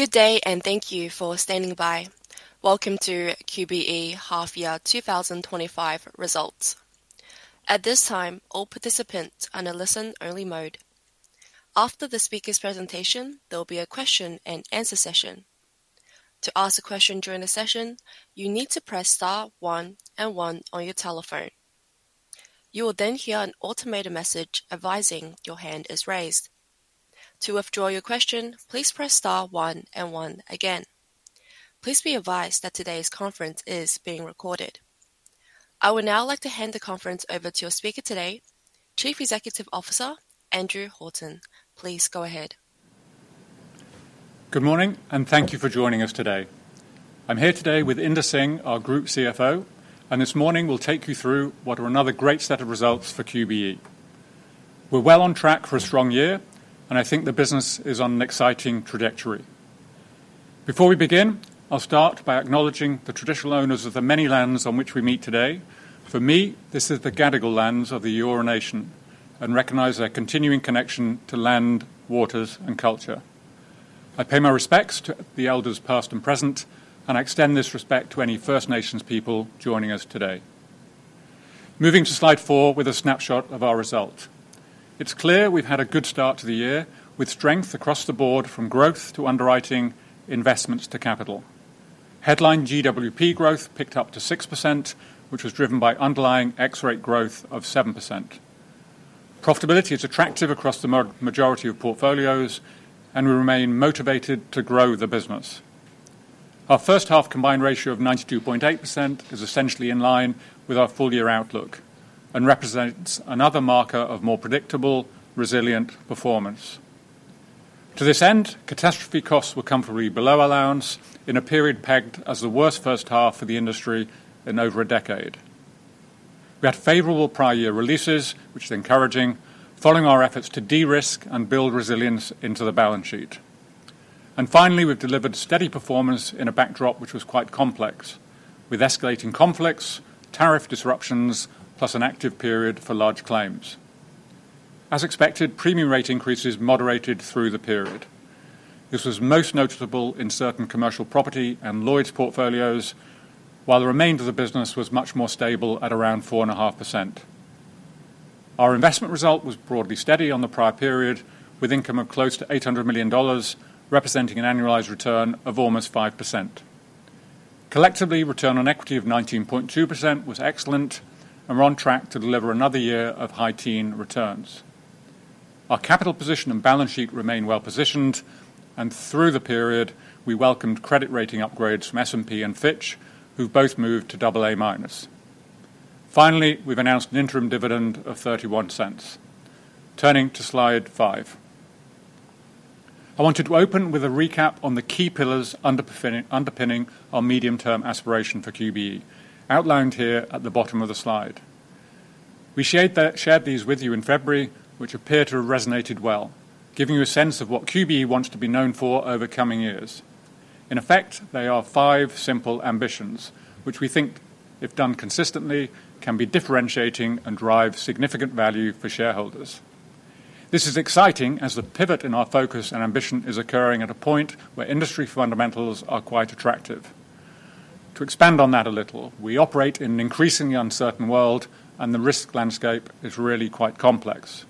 Good day and thank you for standing by. Welcome to QBE Half Year 2025 results. At this time all participants are in a listen only mode. After the speaker's presentation there will be a question and answer session. To ask a question during the session you need to press Star one and one on your telephone. You will then hear an automated message advising your hand is raised. To withdraw your question, please press Star one and one again. Please be advised that today's conference is being recorded. I would now like to hand the conference over to your speaker today, Chief Executive Officer Andrew Horton. Please go ahead. Good morning and thank you for joining us today. I'm here today with Inder Singh, our Group CFO, and this morning we'll take you through what are another great set of results for QBE. We're well on track for a strong year and I think the business is on an exciting trajectory. Before we begin, I'll start by acknowledging the Traditional Owners of the many lands on which we meet today. For me, this is the Gadigal lands of the Eora Nation and recognize their continuing connection to land, waters, and culture. I pay my respects to the Elders past and present and I extend this respect to any First Nations people joining us today. Moving to slide four with a snapshot of our result. It's clear we've had a good start to the year with strength across the board from growth to underwriting, investments to capital headline. GWP growth picked up to 6% which was driven by underlying ex-rate growth of 7%. Profitability is attractive across the majority of portfolios and we remain motivated to grow the business. Our first half combined ratio of 92.8% is essentially in line with our full year outlook and represents another marker of more predictable, resilient performance. To this end, catastrophe costs were comfortably below allowance in a period pegged as the worst first half for the industry in over a decade. We had favorable prior year releases which is encouraging following our efforts to de-risk and build resilience into the balance sheet. Finally, we've delivered steady performance in a backdrop which was quite complex with escalating conflicts, tariff disruptions, plus an active period for large claims. As expected, premium rate increases moderated through the period. This was most noticeable in certain commercial property and Lloyd's portfolios, while the remainder of the business was much more stable at around 4.5%. Our investment result was broadly steady on the prior period with income of close to 800 million dollars representing an annualized return of almost 5%. Collectively, return on equity of 19.2% was excellent and we're on track to deliver another year of high teen returns. Our capital position and balance sheet remain well positioned and through the period we welcomed credit rating upgrades from S&P and Fitch, who've both moved to AA. Finally, we've announced an interim dividend of 0.31. Turning to slide 5, I wanted to open with a recap on the key pillars underpinning our medium term aspiration for QBE, outlined here at the bottom of the slide. We shared these with you in February, which appear to have resonated well, giving you a sense of what QBE wants to be known for over coming years. In effect, they are five simple ambitions which we think if done consistently can be differentiating and drive significant value for shareholders. This is exciting as the pivot in our focus and ambition is occurring at a point where industry fundamentals are quite attractive. To expand on that a little, we operate in an increasingly uncertain world and the risk landscape is really quite complex.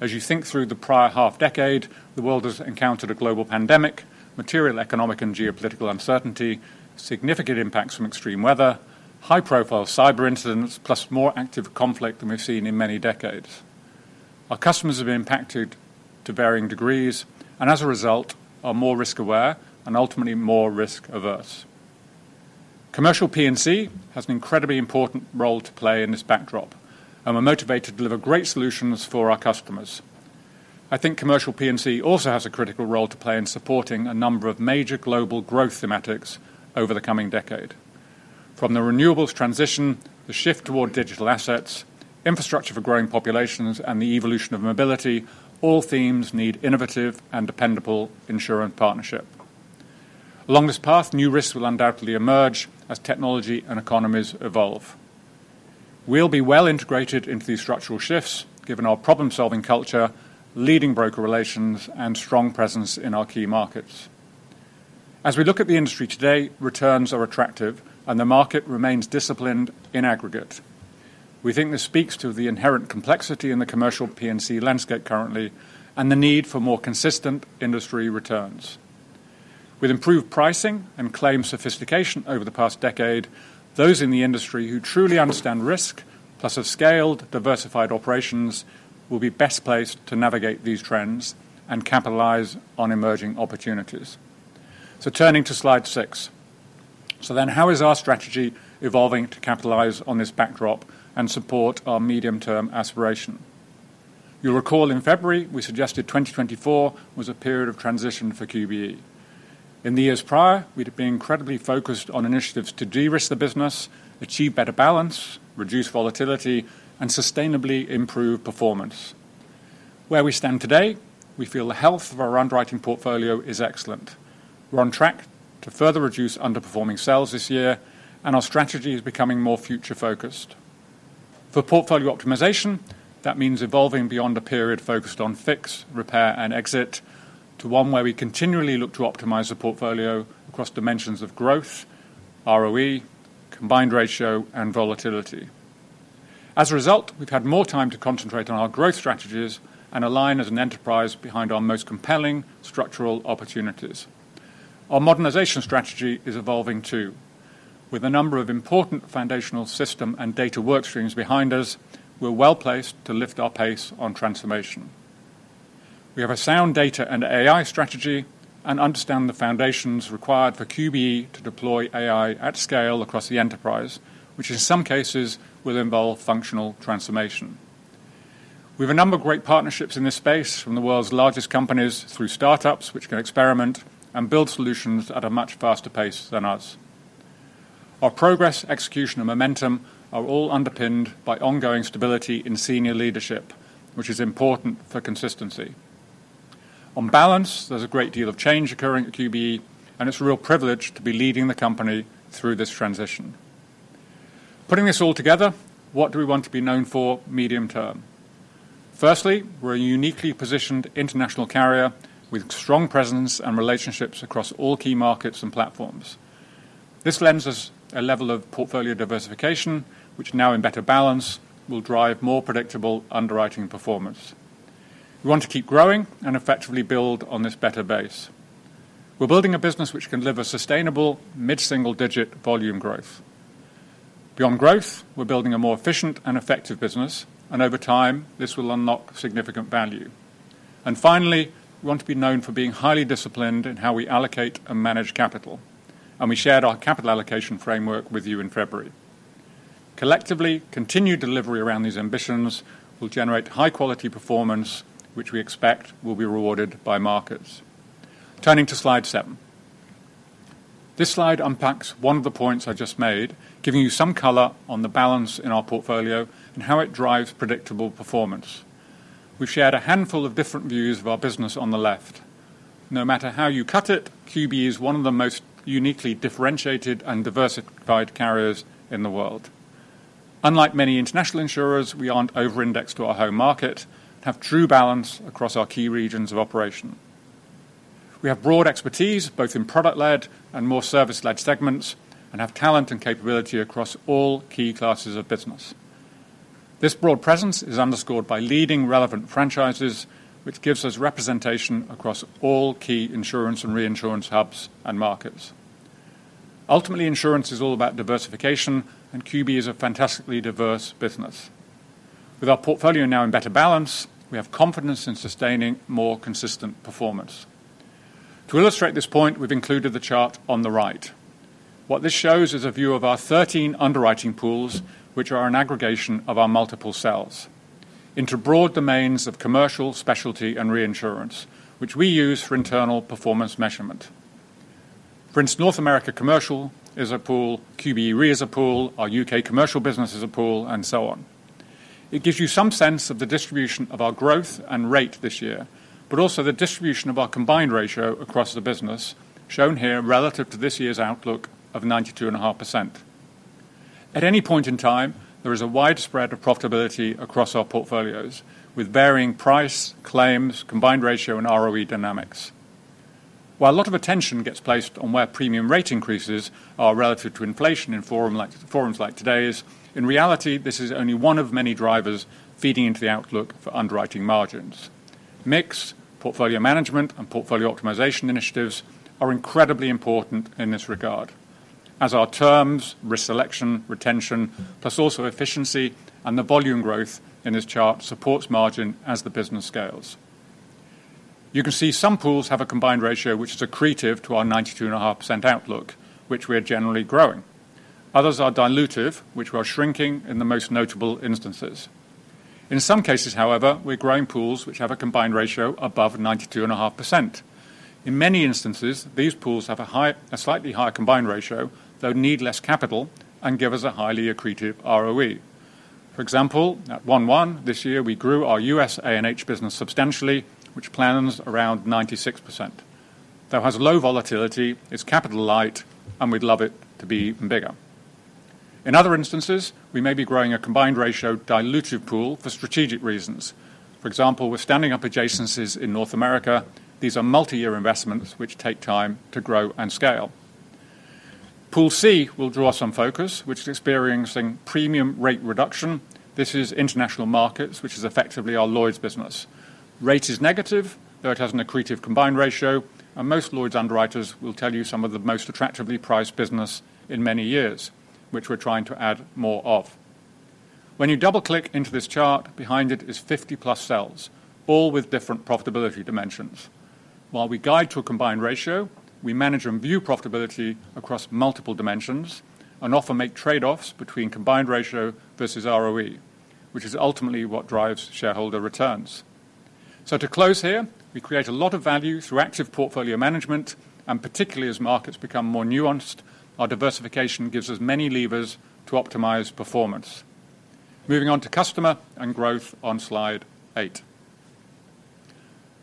As you think through the prior half decade, the world has encountered a global pandemic, material economic and geopolitical uncertainty, significant impacts from extreme weather, high profile cyber incidents, plus more active conflict than we've seen in many decades. Our customers have been impacted to varying degrees and as a result are more risk aware and ultimately more risk averse. Commercial P&C has an incredibly important role to play in this backdrop and we're motivated to deliver great solutions for our customers. I think commercial P&C also has a critical role to play in supporting a number of major global growth thematics over the coming decade, from the renewables transition to the shift toward digital assets, infrastructure for growing populations, and the evolution of mobility. All themes need innovative and dependable insurance partnership. Along this path, new risks will undoubtedly emerge as technology and economies evolve. We'll be well integrated into these structural shifts given our problem-solving culture, leading broker relations, and strong presence in our key markets. As we look at the industry today, returns are attractive and the market remains disciplined. In aggregate, we think this speaks to the inherent complexity in the commercial P&C landscape currently and the need for more consistent industry returns. With improved pricing and claim sophistication over the past decade, those in the industry who truly understand risk plus a scaled diversified operations will be best placed to navigate these trends and capitalize on emerging opportunities. Turning to slide 6, how is our strategy evolving to capitalize on this backdrop and support our medium term aspiration? You'll recall in February we suggested 2024 was a period of transition for QBE. In the years prior, we'd have been incredibly focused on initiatives to de-risk the business, achieve better balance, reduce volatility, and sustainably improve performance. Where we stand today, we feel the health of our underwriting portfolio is excellent. We're on track to further reduce underperforming sales this year, and our strategy is becoming more future focused for portfolio optimization. That means evolving beyond a period focused on fix, repair, and exit to one where we continually look to optimize the portfolio across dimensions of growth, ROE, combined ratio, and volatility. As a result, we've had more time to concentrate on our growth strategies and align as an enterprise behind our most compelling success structural opportunities. Our modernization strategy is evolving too. With a number of important foundational system and data workstreams behind us, we're well placed to lift our pace on transformation. We have a sound data and AI strategy and understand the foundations required for QBE to deploy AI at scale across the enterprise, which in some cases will involve functional transformation. We have a number of great partnerships in this space from the world's largest companies through startups, which can experiment and build solutions at a much faster pace than us. Our progress, execution, and momentum are all underpinned by ongoing stability in senior leadership, which is important for consistency. On balance, there's a great deal of change occurring at QBE, and it's a real privilege to be leading the company through this transition. Putting this all together, what do we want to be known for medium term? Firstly, we're a uniquely positioned international carrier with strong presence and relationships across all key markets and platforms. This lends us a level of portfolio diversification, which now in better balance will drive more predictable underwriting performance. We want to keep growing and effectively build on this better base. We're building a business which can deliver sustainable value, mid single digit volume growth. Beyond growth, we're building a more efficient and effective business, and over time this will unlock significant value. Finally, we want to be known for being highly disciplined in how we allocate and manage capital, and we shared our capital allocation framework with you in February. Collectively, continued delivery around these ambitions will generate high quality performance which we expect will be rewarded by markets. Turning to slide 7, this slide unpacks one of the points I just made, giving you some color on the balance in our portfolio and how it drives predictable performance. We've shared a handful of different views of our business on the left. No matter how you cut it, QBE is one of the most uniquely differentiated and diversified carriers in the world. Unlike many international insurers, we aren't over-indexed to our home market, have true balance across our key regions of operation. We have broad expertise both in product-led and more service-led segments and have talent and capability across all key classes of business. This broad presence is underscored by leading relevant franchises which gives us representation across all key insurance and reinsurance hubs and markets. Ultimately, insurance is all about diversification and QBE is a fantastically diverse business. With our portfolio now in better balance, we have confidence in sustaining more consistent performance. To illustrate this point, we've included the chart on the right. What this shows is a view of our 13 underwriting pools which are an aggregation of our multiple cells into broad domains of commercial, specialty and reinsurance which we use for internal performance measurement. For instance, North America Commercial is a pool, QBE Re is a pool, our U.K. commercial business is a pool, and so on. It gives you some sense of the distribution of our growth and rate this year, but also the distribution of our combined ratio across the business shown here relative to this year's outlook of 92.5%. At any point in time there is a wide spread of profitability across our portfolios with varying price, claims, combined ratio and ROE dynamics. While a lot of attention gets placed on where premium rate increases are relative to inflation in forums like the problems like today's, in reality this is only one of many drivers feeding into the outlook for underwriting margins. Mix, portfolio management and portfolio optimization initiatives are incredibly important in this regard as are terms, risk selection, retention plus also efficiency and the volume growth in this chart supports margin as the business scales. You can see some pools have a combined ratio which is accretive to our 92.5% outlook which we are generally growing. Others are dilutive, which we are shrinking in the most notable instances. In some cases, however, we're growing pools which have a combined ratio above 92.5%. In many instances, these pools have a slightly higher combined ratio, though need less capital and give us a highly accretive ROE. For example, at 1.1 this year, we grew our U.S. A&H business substantially, which plans around 96%, though has low volatility, it's capital light, and we'd love it to be even bigger. In other instances, we may be growing a combined ratio dilutive pool for strategic reasons. For example, we're standing up adjacencies in North America. These are multi-year investments which take time to grow and scale. Pool C will draw some focus, which is experiencing premium rate reduction. This is International markets, which is effectively our Lloyd's business. Rate is negative, though it has an accretive combined ratio, and most Lloyd's underwriters will tell you some of the most attractively priced business in many years, which we're trying to add more of. When you double click into this chart, behind it is 50+ cells, all with different profitability dimensions. While we guide to a combined ratio, we manage and view profitability across multiple dimensions and often make trade-offs between combined ratio versus ROE, which is ultimately what drives shareholder returns. To close here, we create a lot of value through active portfolio management, particularly as markets become more nuanced. Our diversification gives us many levers to optimize performance. Moving on to Customer and growth, on slide 8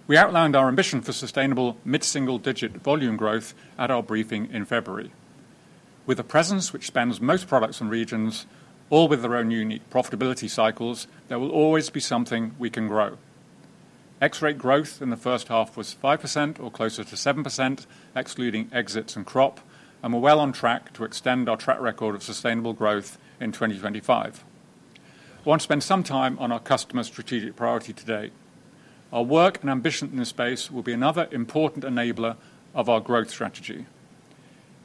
we outlined our ambition for sustainable mid-single digit volume growth at our briefing in February. We're with a presence which spans most products and regions, all with their own unique profitability cycles. There will always be something we can grow. X rate growth in the first half was 5%, or closer to 7% excluding exits and Crop, and we're well on track to extend our track record of sustainable growth in 2025. I want to spend some time on our customer strategic priority today. Our work and ambition in this space will be another important enabler of our growth strategy.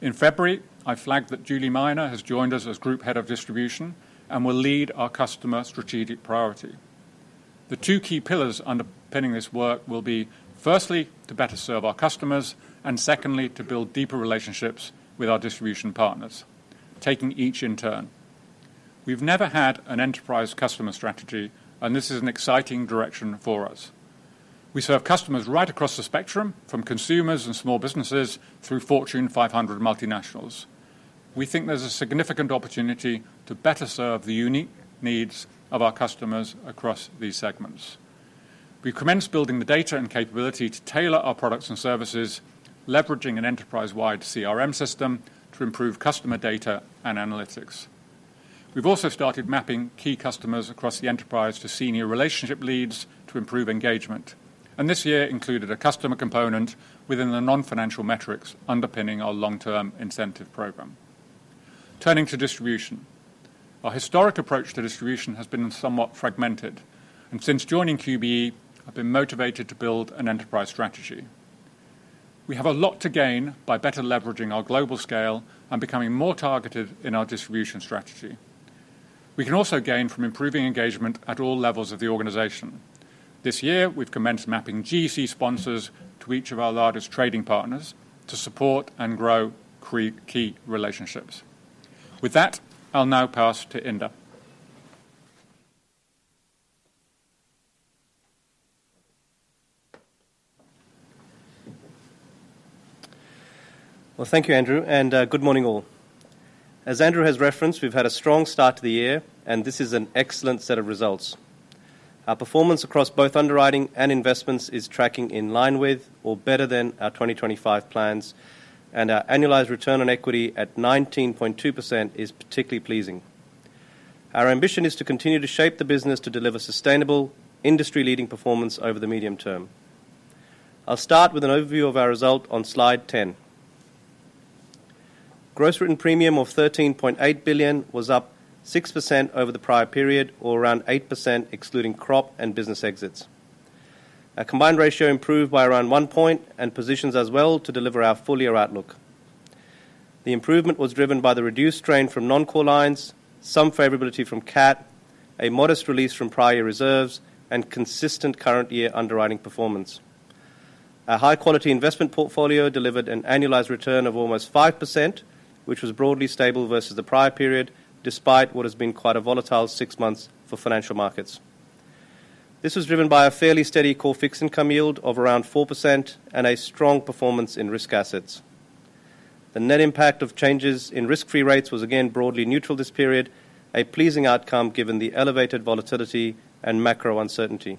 In February, I flagged that Julie Miner has joined us as Group Head of Distribution and will lead our customer strategic priority. The two key pillars underpinning this work will be, firstly, to better serve our customers and, secondly, to build deeper relationships with our distribution partners, taking each in turn. We've never had an enterprise customer strategy and this is an exciting direction for us. We serve customers right across the spectrum from consumers and small businesses through Fortune 500 multinationals. We think there's a significant opportunity to better serve the unique needs of our customers. Across these segments, we commenced building the data and capability to tailor our products and services, leveraging an enterprise-wide CRM system to improve customer data and analytics. We've also started mapping key customers across the enterprise to senior relationship leads to improve engagement, and this year included a customer component within the non-financial metrics underpinning our long-term incentive program. Turning to Distribution, our historic approach to distribution has been somewhat fragmented, and since joining QBE I've been motivated to build an enterprise strategy. We have a lot to gain by better leveraging our global scale and becoming more targeted in our distribution strategy. We can also gain from improving engagement at all levels of the organization. This year, we've commenced mapping GEC sponsors to each of our largest trading partners to support and grow key relationships. With that, I'll now pass to Inder. Thank you, Andrew, and good morning. As Andrew has referenced, we've had a strong start to the year and this is an excellent set of results. Our performance across both underwriting and investments is tracking in line with or better than our 2025 plans and our annualized return on equity at 19.2% is particularly pleasing. Our ambition is to continue to shape the business to deliver sustainable industry-leading performance over the medium term. I'll start with an overview of our result on slide 10. Gross written premium of AUD 13.8 billion was up 6% over the prior period or around 8% excluding Crop and business exits. Our combined ratio improved by around one point and positions us well to deliver our full year outlook. The improvement was driven by the reduced strain from non-core lines, some favorability from catastrophe, a modest release from prior year reserves, and consistent current year underwriting performance. Our high-quality investment portfolio delivered an annualized return of almost 5% which was broadly stable versus the prior period despite what has been quite a volatile six months for financial markets. This was driven by a fairly steady core fixed income yield of around 4% and a strong performance in risk assets. The net impact of changes in risk-free rates was again broadly neutral this period, a pleasing outcome given the elevated volatility and macro uncertainty.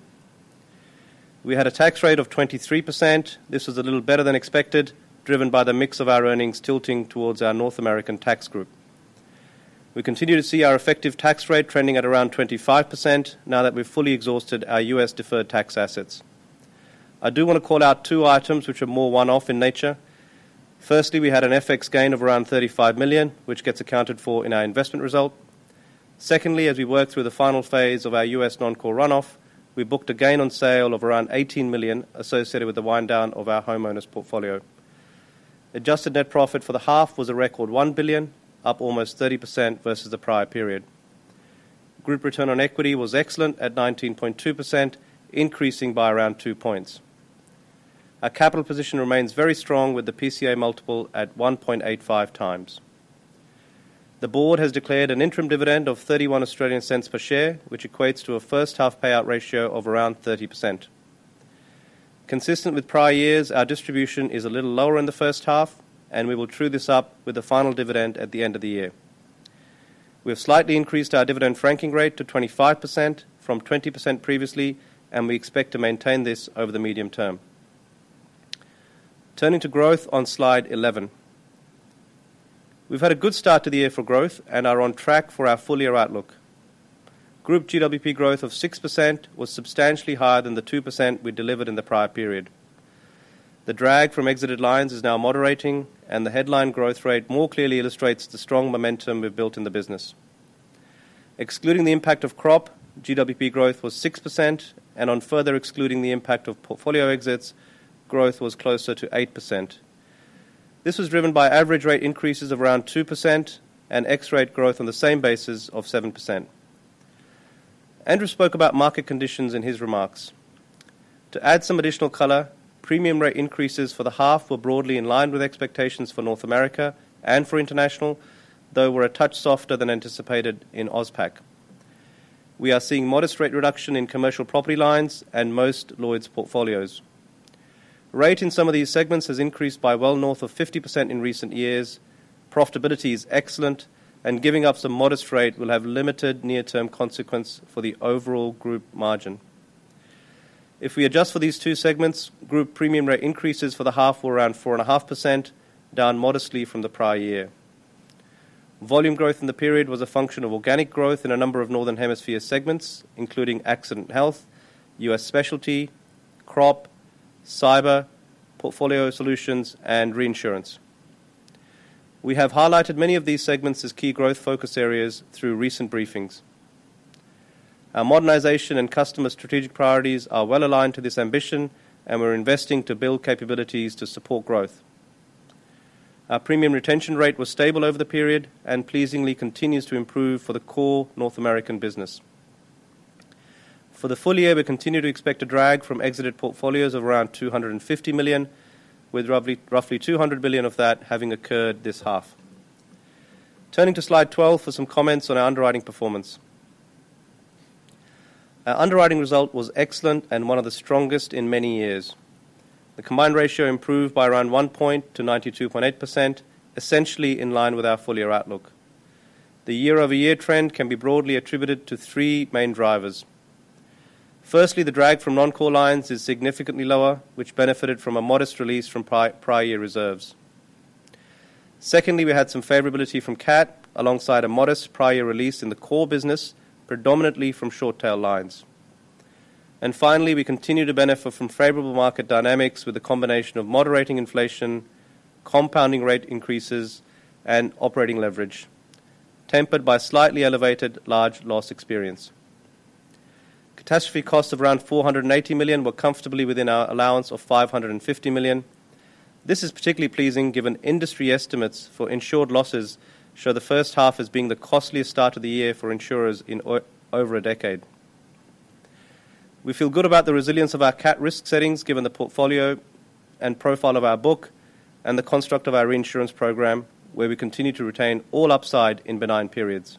We had a tax rate of 23%. This was a little better than expected, driven by the mix of our earnings tilting towards our North American tax group. We continue to see our effective tax rate trending at around 25%. Now that we've fully exhausted our U.S. deferred tax assets, I do want to call out two items which are more one-off in nature. Firstly, we had an FX gain of around 35 million which gets accounted for in our investment result. Secondly, as we work through the final phase of our U.S. non-core runoff, we booked a gain on sale of around 18 million associated with the wind down of our homeowners portfolio. Adjusted net profit for the half was a record 1 billion, up almost 30% versus the prior period. Group return on equity was excellent at 19.2%, increasing by around two points. Our capital position remains very strong with the PCA multiple at 1.85x. The board has declared an interim dividend of 0.31 per share which equates to a first half payout ratio of around 30%, consistent with prior years. Our distribution is a little lower in the first half and we will true this up with the final dividend at the end of the year. We have slightly increased our dividend franking rate to 25% from 20% previously and we expect to maintain this over the medium term. Turning to growth on slide 11, we've had a good start to the year for growth and are on track for our full year outlook. Group GWP growth of 6% was substantially higher than the 2% we delivered in the prior period. The drag from exited lines is now moderating and the headline growth rate more clearly illustrates the strong momentum we've built in the business. Excluding the impact of Crop, GWP growth was 6% and on further excluding the impact of portfolio exits, growth was closer to 8%. This was driven by average rate increases of around 2% and ex rate growth on the same basis of 7%. Andrew spoke about market conditions in his remarks. To add some additional color, premium rate increases for the half were broadly in line with expectations for North America and for International, though were a touch softer than anticipated. In Australia Pacific we are seeing modest rate reduction in commercial property lines and most Lloyd's portfolios. Rate in some of these segments has increased by well north of 50% in recent years. Profitability is excellent and giving up some modest rate will have limited near term consequence for the overall group margin if we adjust for these two segments. Group premium rate increases for the half were around 4.5%, down modestly from the prior year. Volume growth in the period was a function of organic growth in a number of Northern Hemisphere segments including Accident & Health, US Specialty, Crop, Cyber, Portfolio Solutions, and Reinsurance. We have highlighted many of these segments as key growth focus areas through recent briefings. Our modernization and customer strategic priorities are well aligned to this ambition and we're investing to build capabilities to support growth. Our premium retention rate was stable over the period and, pleasingly, continues to improve for the core North American business. For the full year we continue to expect a drag from exited portfolios of around 250 million, with roughly 200 million of that having occurred this half. Turning to slide 12 for some comments on our underwriting performance. Our underwriting result was excellent and one of the strongest in many years. The combined ratio improved by around 1 point to 92.8%, essentially in line with our full year outlook. The year over year trend can be broadly attributed to three main drivers. Firstly, the drag from non-core lines is significantly lower, which benefited from a modest release from prior year reserves. Secondly, we had some favorability from CAT alongside a modest prior year release in the core business, predominantly from short tail lines. Finally, we continue to benefit from favorable market dynamics with a combination of moderating inflation, compounding rate increases, and operating leverage tempered by slightly elevated large loss experience. Catastrophe costs of around 480 million were comfortably within our allowance of 550 million. This is particularly pleasing given industry estimates for insured losses show the first half as being the costliest start of the year for insurers in over a decade. We feel good about the resilience of our CAT risk settings given the portfolio and profile of our book and the construct of our reinsurance program, where we continue to retain all upside in benign periods.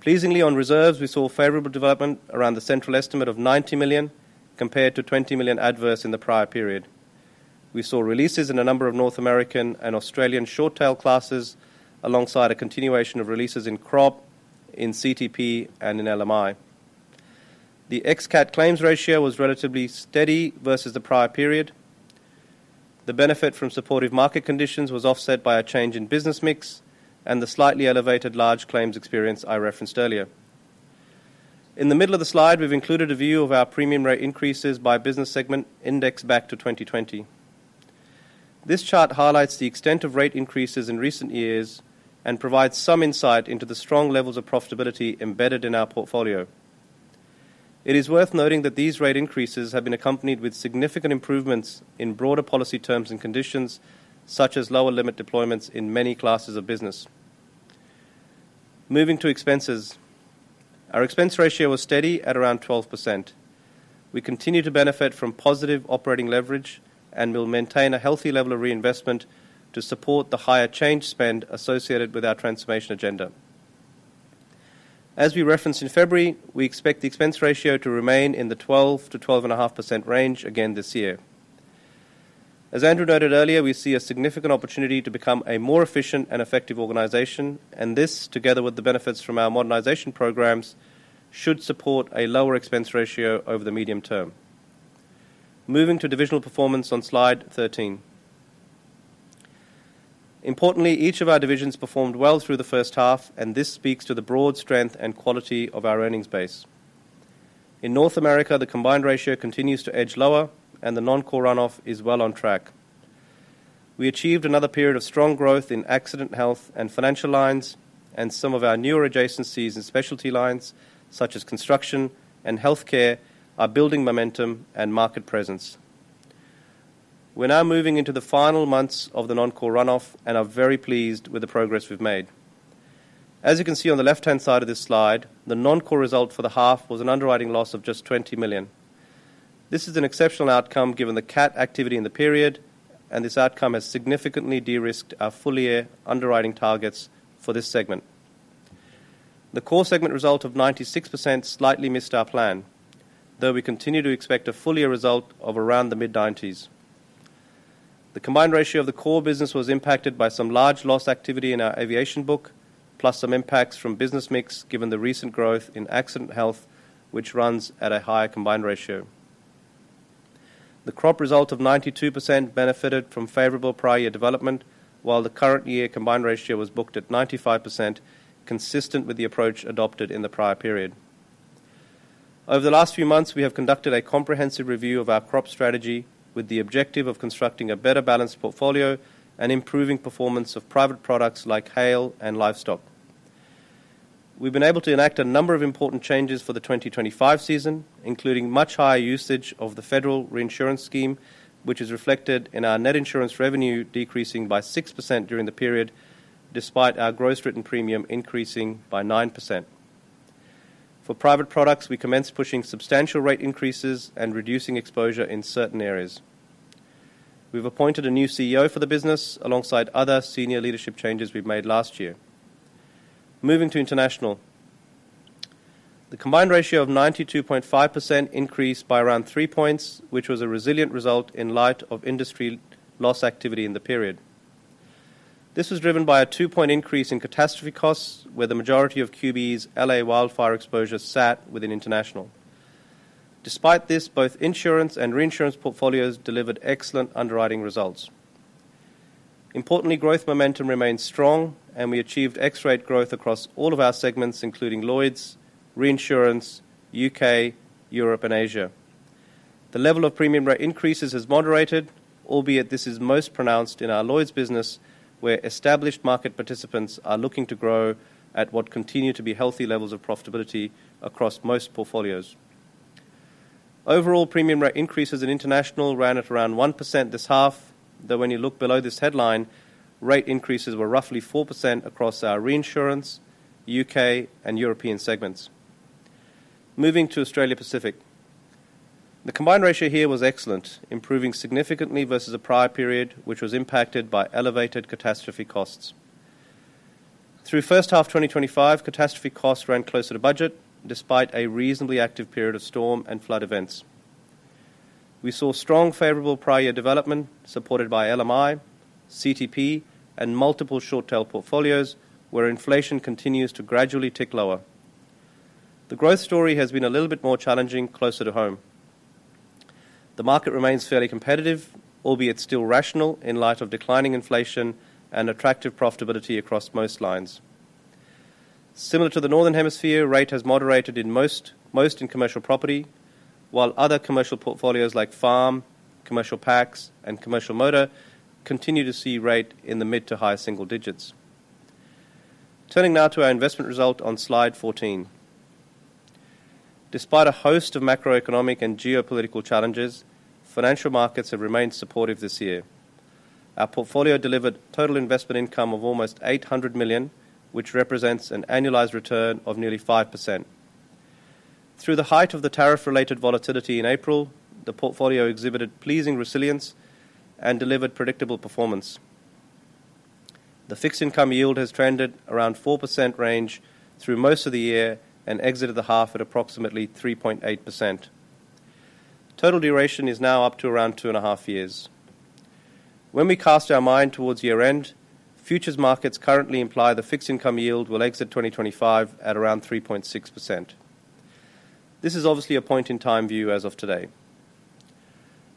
Pleasingly, on reserves we saw favorable development around the central estimate of 90 million compared to 20 million adverse in the prior period. We saw releases in a number of North American and Australian short tail classes alongside a continuation of releases in Crop, in CTP, and in LMI. The ex-CAT claims ratio was relatively steady versus the prior period. The benefit from supportive market conditions was offset by a change in business mix and the slightly elevated large claims experience I referenced earlier. In the middle of the slide, we've included a view of our premium rate increases by business segment indexed back to 2020. This chart highlights the extent of rate increases in recent years and provides some insight into the strong levels of profitability embedded in our portfolio. It is worth noting that these rate increases have been accompanied with significant improvements in broader policy terms and conditions, such as lower limit deployments in many classes of business. Moving to expenses, our expense ratio was steady at around 12%. We continue to benefit from positive operating leverage and will maintain a healthy level of reinvestment to support the higher change spend associated with our transformation agenda. As we referenced in February, we expect the expense ratio to remain in the 12%-12.5% range again this year. As Andrew noted earlier, we see a significant opportunity to become a more efficient and effective organization, and this together with the benefits from our modernization programs should support a lower expense ratio over the medium term. Moving to divisional performance on slide 13, importantly, each of our divisions performed well through the first half, and this speaks to the broad strength and quality of our earnings base in North America. The combined ratio continues to edge lower, and the non-core runoff is well on track. We achieved another period of strong growth in accident, health, and financial lines, and some of our newer adjacencies and specialty lines such as construction and healthcare are building momentum and market presence. We're now moving into the final months of the non-core runoff and are very pleased with the progress we've made. As you can see on the left-hand side of this slide, the non-core result for the half was an underwriting loss of just 20 million. This is an exceptional outcome given the CAT activity in the period, and this outcome has significantly de-risked our full year underwriting targets for this segment. The core segment result of 96% slightly missed our plan, though we continue to expect a full year result of around the mid-90s. The combined ratio of the core business was impacted by some large loss activity in our aviation book, plus some impacts from business mix given the recent growth in accident health, which runs at a higher combined ratio. The Crop result of 92% benefited from favorable prior year development, while the current year combined ratio was booked at 95%, consistent with the approach adopted in the prior period. Over the last few months, we have conducted a comprehensive review of our Crop strategy with the objective of constructing a better balanced portfolio and improving performance of private products like hail and livestock. We've been able to enact a number of important changes for the 2025 season, including much higher usage of the Federal Reinsurance scheme, which is reflected in our net insurance revenue decreasing by 6% during the period. Despite our gross written premium increasing by 9% for private products, we commenced pushing substantial rate increases and reducing exposure in certain areas. We've appointed a new CEO for the business alongside other senior leadership changes we've made last year. Moving to International, the combined ratio of 92.5% increased by around 3 points, which was a resilient result in light of industry loss activity in the period. This was driven by a 2 point increase in catastrophe costs, where the majority of QBE's L.A. wildfire exposure sat within International. Despite this, both insurance and reinsurance portfolios delivered excellent underwriting results. Importantly, growth momentum remains strong, and we achieved rate growth across all of our segments, including Lloyd's, Reinsurance U.K., Europe, and Asia. The level of premium rate increases has moderated, albeit this is most pronounced in our Lloyd's business, where established market participants are looking to grow at what continue to be healthy levels of profitability across most portfolios. Overall, premium rate increases in International ran at around 1% this half, though when you look below this headline, rate increases were roughly 4% across our Reinsurance U.K. and European segments. Moving to Australia Pacific, the combined ratio here was excellent, improving significantly versus the prior period, which was impacted by elevated catastrophe costs. Through first half 2025, catastrophe costs ran closer to budget despite a reasonably active period of storm and flood events. We saw strong favorable prior year development supported by LMI, CTP, and multiple short tail portfolios where inflation continues to gradually tick lower. The growth story has been a little bit more challenging closer to home. The market remains fairly competitive, albeit still rational in light of declining inflation and attractive profitability across most lines. Similar to the Northern Hemisphere, rate has moderated in most, most in commercial property, while other commercial portfolios like Farm, Commercial Packs, and Commercial Motor continue to see rate in the mid to high single digits. Turning now to our investment result on slide 14, despite a host of macroeconomic and geopolitical challenges, financial markets have remained supportive. This year, our portfolio delivered total investment income of almost 800 million, which represents an annualized return of nearly 5%. Through the height of the tariff-related volatility in April, the portfolio exhibited pleasing resilience and delivered predictable performance. The fixed income yield has trended around the 4% range through most of the year and exited the half at approximately 3.8%. Total duration is now up to around two and a half years. When we cast our mind towards year end, futures markets currently imply the fixed income yield will exit 2025 at around 3.6%. This is obviously a point in time view. As of today,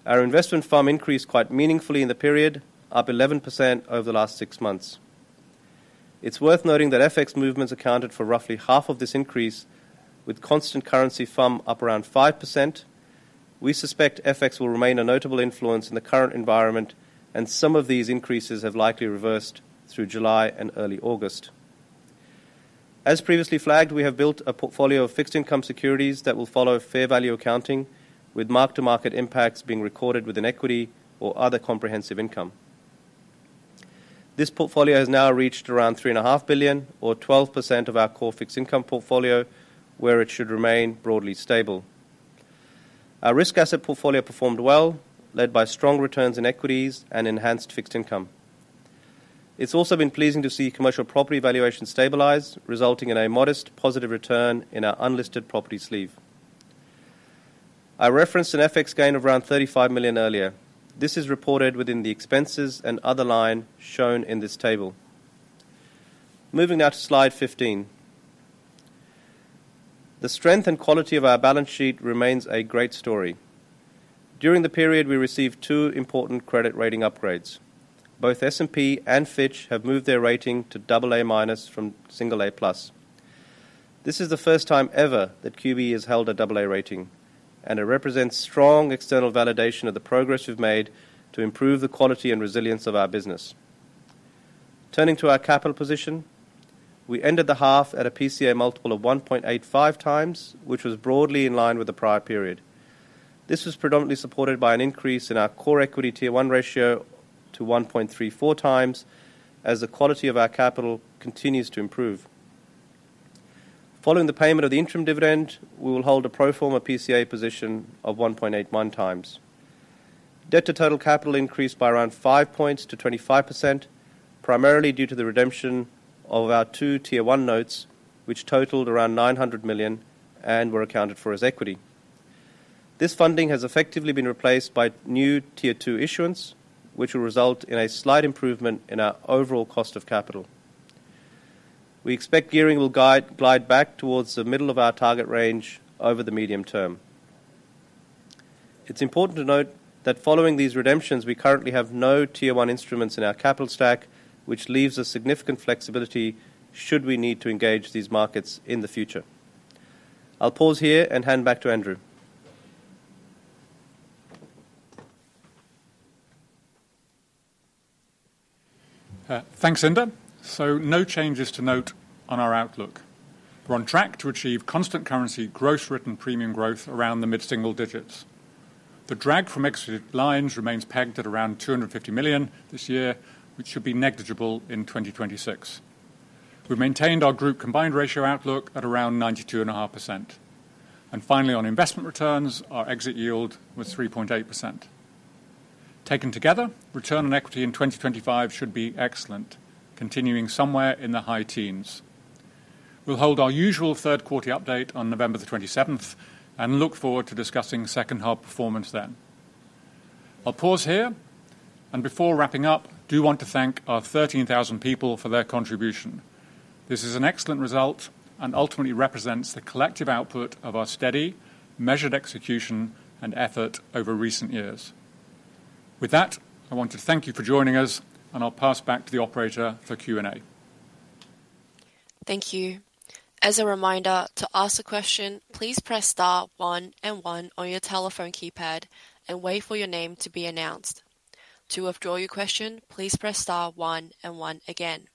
our investment farm increased quite meaningfully in the period, up 11% over the last six months. It's worth noting that FX movements accounted for roughly half of this increase, with constant currency from up around 5%. We suspect FX will remain a notable influence in the current environment, and some of these increases have likely reversed through July and early August. As previously flagged, we have built a portfolio of fixed income securities that will follow fair value accounting, with mark to market impacts being recorded within equity or other comprehensive income. This portfolio has now reached around 3.5 billion or 12% of our core fixed income portfolio, where it should remain broadly stable. Our risk asset portfolio performed well, led by strong returns in equities and enhanced fixed income. It's also been pleasing to see commercial property valuation stabilize, resulting in a modest positive return in our unlisted property sleeve. I referenced an FX gain of around 35 million earlier. This is reported within the expenses and other line shown in this table. Moving now to slide 15. The strength and quality of our balance sheet remains a great story. During the period, we received two important credit rating upgrades. Both S&P and Fitch have moved their rating to AA from single A. This is the first time ever that QBE Insurance Group Limited has held a AA rating, and it represents strong external validation of the progress we've made to improve the quality and resilience of our business. Turning to our capital position, we ended the half at a PCA multiple of 1.85x, which was broadly in line with the prior period. This was predominantly supported by an increase in our core equity tier 1 ratio to 1.34x. As the quality of our capital continues to improve following the payment of the interim dividend, we will hold a pro forma PCA position of 1.81x. Debt to total capital increased by around 5 points to 25%, primarily due to the redemption of our tier 1 notes which totaled around 900 million and were accounted for as equity. This funding has effectively been replaced by new tier 2 issuance, which will result in a slight improvement in our overall cost of capital. We expect gearing will glide back towards the middle of our target range over the medium term. It's important to note that following these redemptions, we currently have no Tier 1 instruments in our capital stack, which leaves us significant flexibility should we need to engage these markets in the future. I'll pause here and hand back to Andrew. Thanks Inder. No changes to note on our outlook. We're on track to achieve constant currency gross written premium growth around the mid single digits. The drag from exited lines remains pegged at around 250 million this year, which should be negligible. In 2026, we maintained our group combined ratio outlook at around 92.5%. Finally, on investment returns, our exit yield was 3.8%. Taken together, return on equity in 2025 should be excellent, continuing somewhere in the high teens. We'll hold our usual third quarter update on November 27 and look forward to discussing second half performance. I want to thank our 13,000 people for their contribution. This is an excellent result and ultimately represents the collective output of our steady, measured execution and effort over recent years. With that, I want to thank you for joining us and I'll pass back to the operator for Q&A. Thank you. As a reminder, to ask a question, please press Star one and one on your telephone keypad and wait for your name to be announced. To withdraw your question, please press Star one and one again.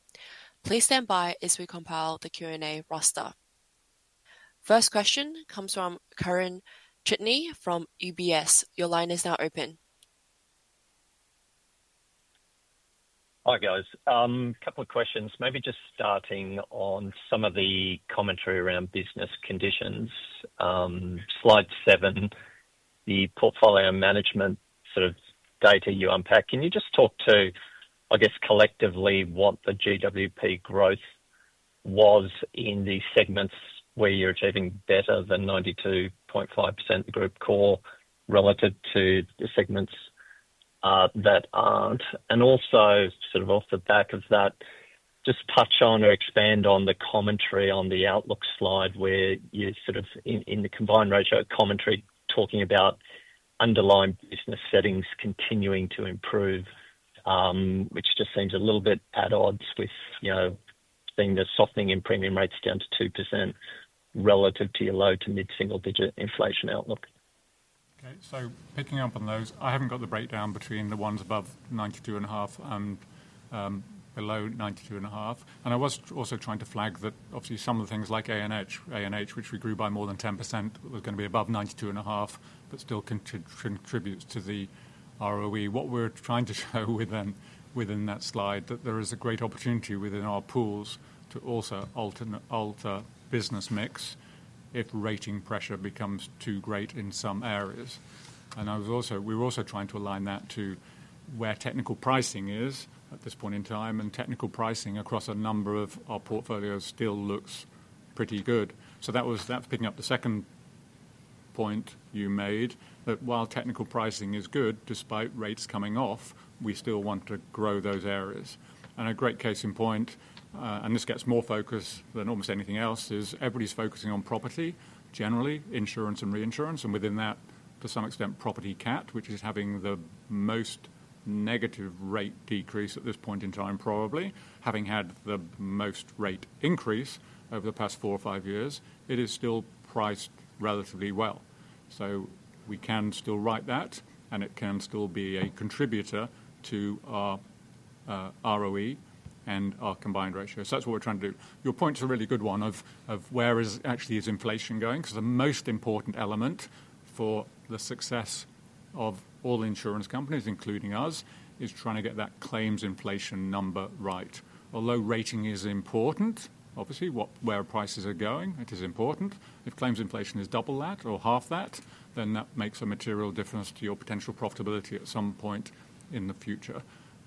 Please stand by as we compile the Q&A roster. First question comes from Kieren Chidgey from UBS. Your line is now open. Hi guys, couple of questions, maybe just starting on some of the commentary around business conditions. Slide 7, the portfolio management sort of data you unpack. Can you just talk to I guess collectively what the GWP growth was in the segments where you're achieving better than 92.5% group core relative to the segments that aren't, and also sort of off the back of that just touch on or expand on the commentary on the Outlook slide where you sort of in the combined ratio commentary talking about underlying business settings continuing to improve, which just seems a little bit at odds with being a softening in premium rates down to 2% relative to your low to mid single digit inflation outlook. Okay, so picking up on those, I haven't got the breakdown between the ones above 92.5% and below 92.5%. I was also trying to flag that obviously some of the things like A&H, which we grew by more than 10%, was going to be above 92.5% but still contributes to the ROE. What we're trying to show within that slide is that there is a great opportunity within our pools to also alter business mix if rating pressure becomes too great in some areas. We're also trying to align that to where technical pricing is at this point in time. Technical pricing across a number of our portfolio still looks pretty good. That's picking up the second point you made, that while technical pricing is good, despite rates coming off, we still want to grow those areas. A great case in point, and this gets more focus than almost anything else, is everybody's focusing on property, generally insurance and reinsurance, and within that to some extent property CAT, which is having the most negative rate decrease at this point in time, probably having had the most rate increase over the past four or five years. It is still quite priced relatively well. We can still write that and it can still be a contributor to our ROE and our combined ratio. That's what we're trying to do. Your point's a really good one of where actually is inflation going, because the most important element for the success of all insurance companies, including us, is trying to get that claims inflation number right. Although rating is important, obviously where prices are going is important. If claims inflation is double that or half that, then that makes a material difference to your potential profitability at some point in the future.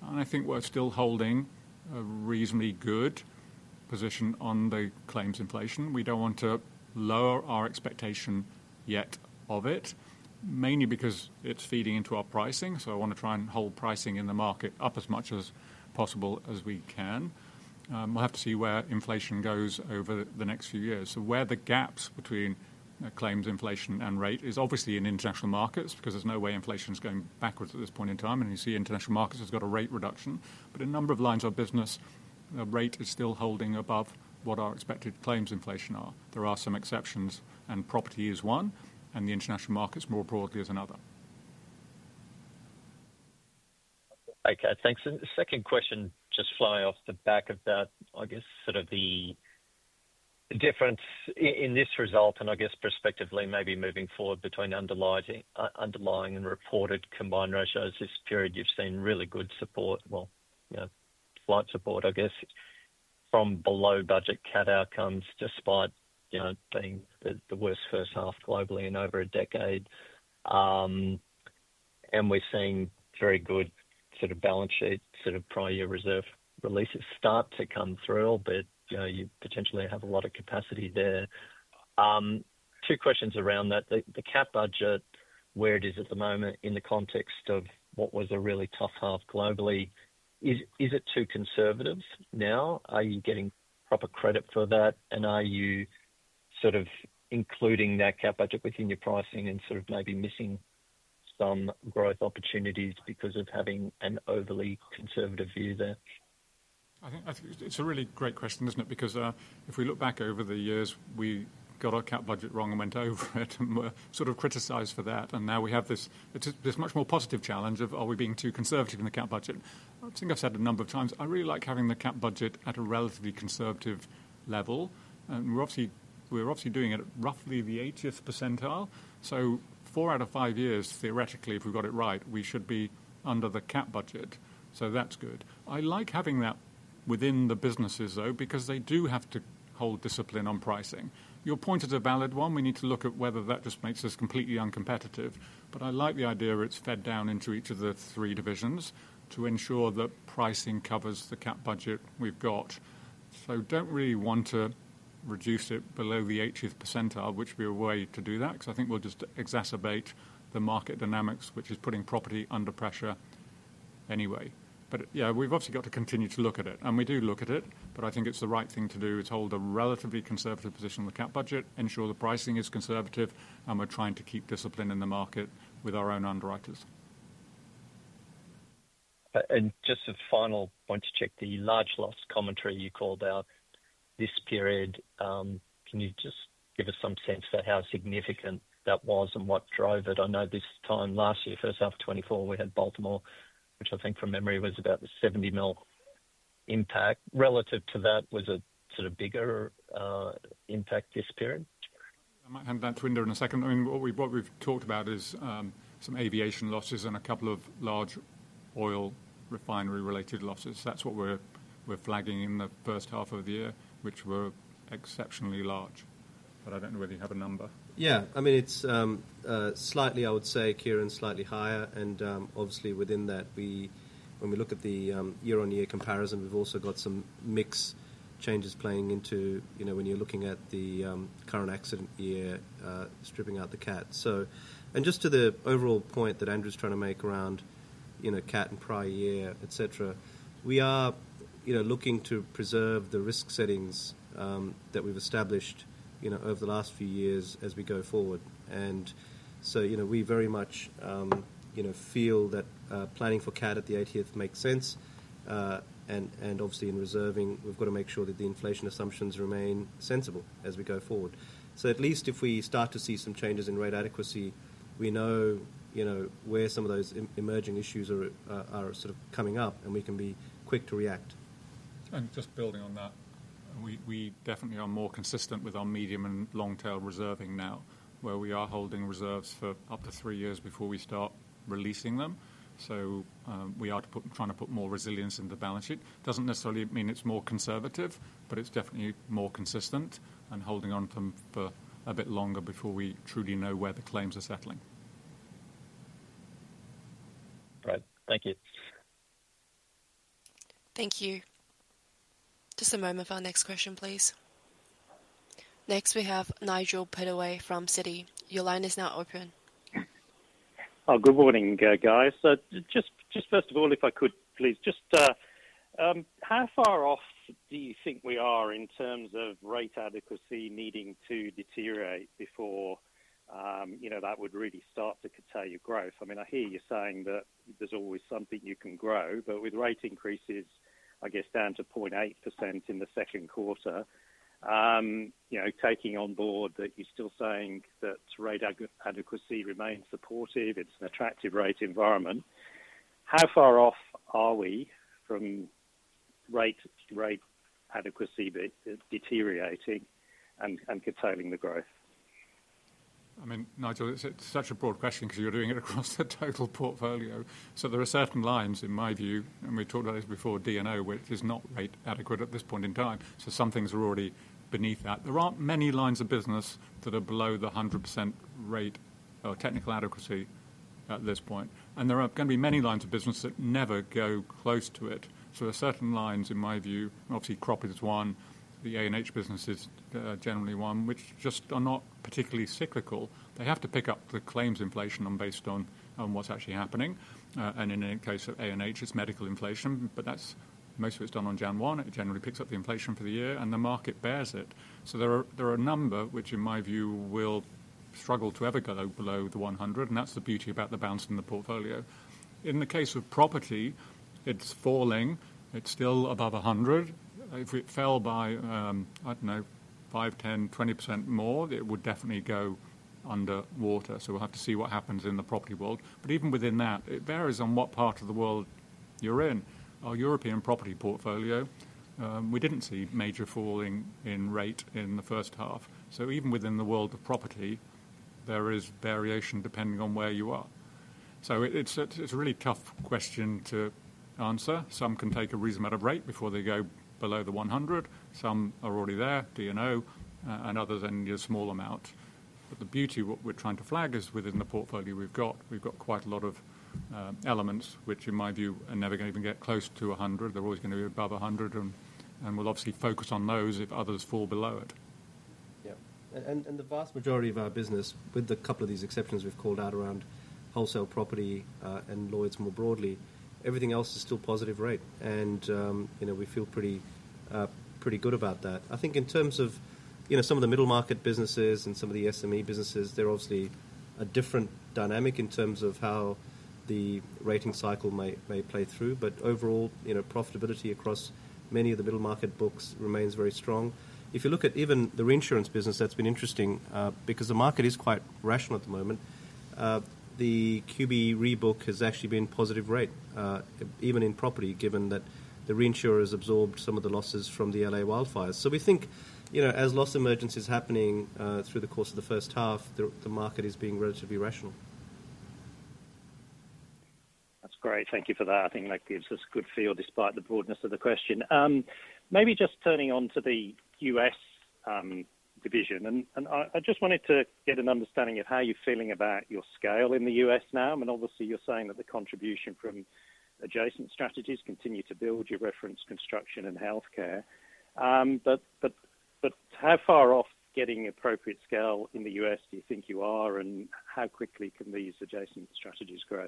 I think we're still holding a reasonably good position on the claims inflation. We don't want to lower our expectation yet of it, mainly because it's feeding into our pricing. I want to try and hold pricing in the market up as much as possible as we can. We'll have to see where inflation goes over the next few years. Where the gaps between claims inflation and rate is obviously in international markets because there's no way inflation's going backwards at this point in time. You see international markets has got a rate reduction, but a number of lines of business rate is still holding above what our expected claims inflation are. There are some exceptions and property is one and the international markets more broadly is another. Okay, thanks. The second question just fly off the back about, I guess, sort of the difference in this result and, I guess, prospectively maybe moving forward between underlying and reported combined ratios this period. You've seen really good support, slight support, I guess, from below budget cat outcomes, despite being the worst first half globally in over a decade. We're seeing very good sort of balance sheet, sort of prior year reserve releases start to come through. You potentially have a lot of capacity there. Two questions around that. The cat budget where it is at the moment, in the context of what was a really tough half globally, is it too conservative now? Are you getting proper credit for that? Are you sort of including that budget within your pricing and maybe missing some growth opportunities because of having an overly conservative view there? I think it's a really great question, isn't it? Because if we look back over the years, we got our cap budget wrong and went over it and were sort of criticized for that. Now we have this much more positive challenge of are we being too conservative in the cat budget? I think I've said a number of times I really like having the cat budget at a relatively conservative level. We're obviously doing it at roughly the 80% percentile. Four out of five years, theoretically, if we've got it right, we should be under the cat budget. That's good. I like having that within the businesses though, because they do have to hold discipline on pricing. Your point is a valid one. We need to look at whether that just makes us completely uncompetitive. I like the idea it's fed down into each of the three divisions to ensure that pricing covers the cat budget, which we've got. I don't really want to reduce it below the 80% percentile, which would be a way to do that, because I think we'll just exacerbate the market dynamics, which is putting property under pressure anyway. We've obviously got to continue to look at it and we do look at it, but I think it's the right thing to do is hold a relatively conservative position on the cap budget, ensure the pricing is conservative, and we're trying to keep discipline in the market with our own underwriters. Just a final point to check the large loss commentary you called out this period. Can you give us some sense for how significant that was, and what drove it? I know this time last year, first half of 2024, we had Baltimore, which I think from memory was about a 70 million impact. Relative to that, was it a bigger impact this period? I might hand that to Inder in a second. I mean, what we've talked about is some aviation losses and a couple of large oil refinery related losses. That's what we're flagging in the first half of the year, which were exceptionally large. I don't really have a number. I mean it's slightly, I would say Kieren, slightly higher. Obviously, within that, when we look at the year-on-year comparison, we've also got some mix changes playing into when you're looking at the current accident year, stripping out the CAT. To the overall point that Andrew's trying to make around CAT and prior year, et cetera, we are looking to preserve the risk settings that we've established over the last few years as we go forward. We very much feel that planning for CAT at the 80th makes sense. Obviously, in reserving, we've got to make sure that the inflation assumptions remain sensible as we go forward. At least if we start to see some changes in rate adequacy, we know where some of those emerging issues are coming up and we can be quick to react. We definitely are more consistent with our medium and long tail reserving now, where we are holding reserves for up to three years before we start releasing them. We are trying to put more resilience in the balance sheet. It does not necessarily mean it is more conservative, but it is definitely more consistent and holding onto them for a bit longer before we truly know where the claims are settling. Right. Thank you. Thank you. Just a moment for our next question, please. Next we have Nigel Pittaway from Citi. Your line is now open. Good morning, guys. Just first of all, if I could, please, just how far off do you think we are in terms of rate adequacy needing to deteriorate before that would really start to curtail your growth? I mean, I hear you saying that there's always something you can grow, but with rate increases, I guess, down to 0.8% in the second quarter, taking on board that you're still saying that rate adequacy remains supportive, it's an attractive rate environment. How far off are we from rate adequacy deteriorating and curtailing the growth? I mean, Nigel, it's such a broad question because you're doing it across the total portfolio. There are certain lines in my view, and we've talked about this before, D&O, which is not rate adequate at this point in time. Some things are already beneath that. There aren't many lines of business that are below the 100% rate or technical adequacy at this point, and there are going to be many lines of business that never go close to it. There are certain lines in my view, obviously Crop is one, the A&Hbusiness is generally one, which just are not particularly cyclical. They have to pick up the claims inflation based on what's actually happening. In the case of A&H, it's medical inflation, but most of it's done on January 1. It generally picks up the inflation for the year and the market bears it. There are a number which in my view will struggle to ever go below the 100. That's the beauty about the balance in the portfolio. In the case of property, it's falling, it's still above 100. If it fell by, I don't know, 5%, 10%, 20% more, it would definitely go underwater. We'll have to see what happens in the property world. Even within that, it varies on what part of the world you're in. Our European property portfolio, we didn't see major falling in rate in the first half. Even within the world of property, there is variation depending on where you are. It's a really tough question to answer. Some can take a reasonable rate before they go below the 100. Some are already there, D&O and others, and your small amount. The beauty, what we're trying to flag is within the portfolio we've got, we've got quite a lot of elements which in my view are never going to even get close to 100. They're always going to be above 150, and we'll obviously focus on those if others fall below it. Yeah. The vast majority of our business, with a couple of these exceptions we've called out around wholesale property and Lloyd's more broadly, everything else is still positive rate and we feel pretty good about that. I think in terms of some of the middle market businesses and some of the SME businesses, they're obviously a different dynamic in terms of how the rating cycle may play through. Overall profitability across many of the middle market books remains very strong. If you look at even the reinsurance business, that's been interesting because the market is quite rational at the moment. The QBE rebook has actually been positive rate even in property, given that the reinsurers absorbed some of the losses from the L.A. wildfires. We think as loss emergence is happening through the course of the first half, the market is being relatively rational. That's great. Thank you for that. I think that gives us a good feel despite the broadness of the question. Maybe just turning to the U.S. division, I just wanted to get an understanding of how you're feeling about your scale in the U.S. now. Obviously, you're saying that the contribution from adjacent strategies continues to build, you reference construction and healthcare, but how far off getting appropriate scale in the U.S. do you think you are, and how quickly can these adjacent strategies grow?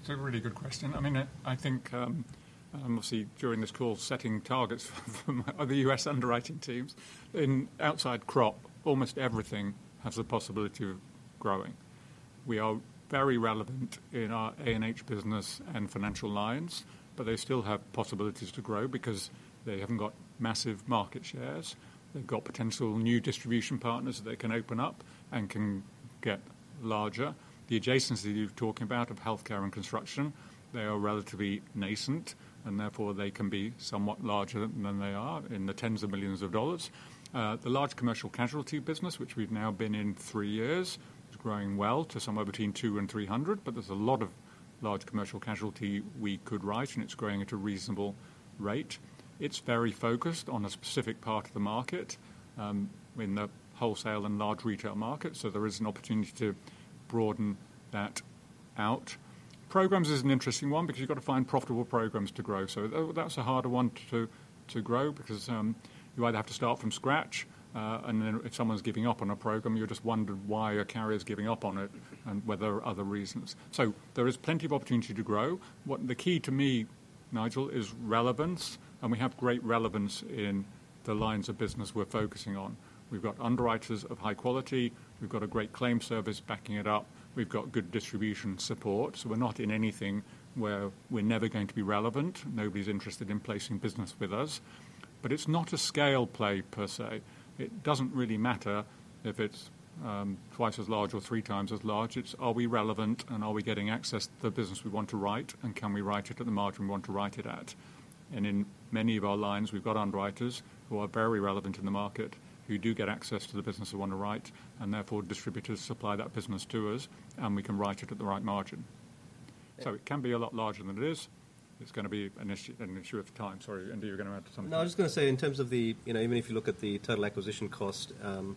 It's a really good question. I think during this call, setting targets for my other U.S. underwriting teams outside Crop. Almost everything has the possibility of growing. We are very relevant in our A&H business and financial lines, but they still have possibilities to grow because they haven't got massive market shares. They've got potential new distribution partners that they can open up and can get larger. The adjacency you're talking about of healthcare and construction, they are relatively nascent and therefore they can be somewhat larger than they are in the tens of millions of dollars. The large commercial casualty business, which we've now been in three years, is growing well to somewhere between 200 million and 300 million, but there's a lot of large commercial casualty we could write, and it's growing at a reasonable rate. It's very focused on a specific part of the market in the wholesale and large retail markets. There is an opportunity to broaden that out. Programs is an interesting one because you've got to find profitable programs to grow. That's a harder one to grow because you either have to start from scratch and then if someone's giving up on a program, you just wonder why a carrier's giving up on it and whether there are other reasons. There is plenty of opportunity to grow. The key to me, Nigel, is relevance and we have great relevance in the lines of business we're focusing on. We've got underwriters of high quality, we've got a great claim service backing it up, we've got good distribution support. We're not in anything where we're never going to be relevant. Nobody's interested in placing business with us. It's not a scale play per se. It doesn't really matter if it's twice as large or three times as large. It's are we relevant and are we getting access to the business we want to write and can we write it at the margin we want to write it at. In many of our lines we've got underwriters who are very relevant in the market who do get access to the business they want to write and therefore distributors supply that business to us and we can write it at the right margin. It can be a lot larger than it is. It's going to be an issue of time. Sorry, Inder, you're going to add to something. I was going to say, in terms of the, you know, even if you look at the total acquisition cost and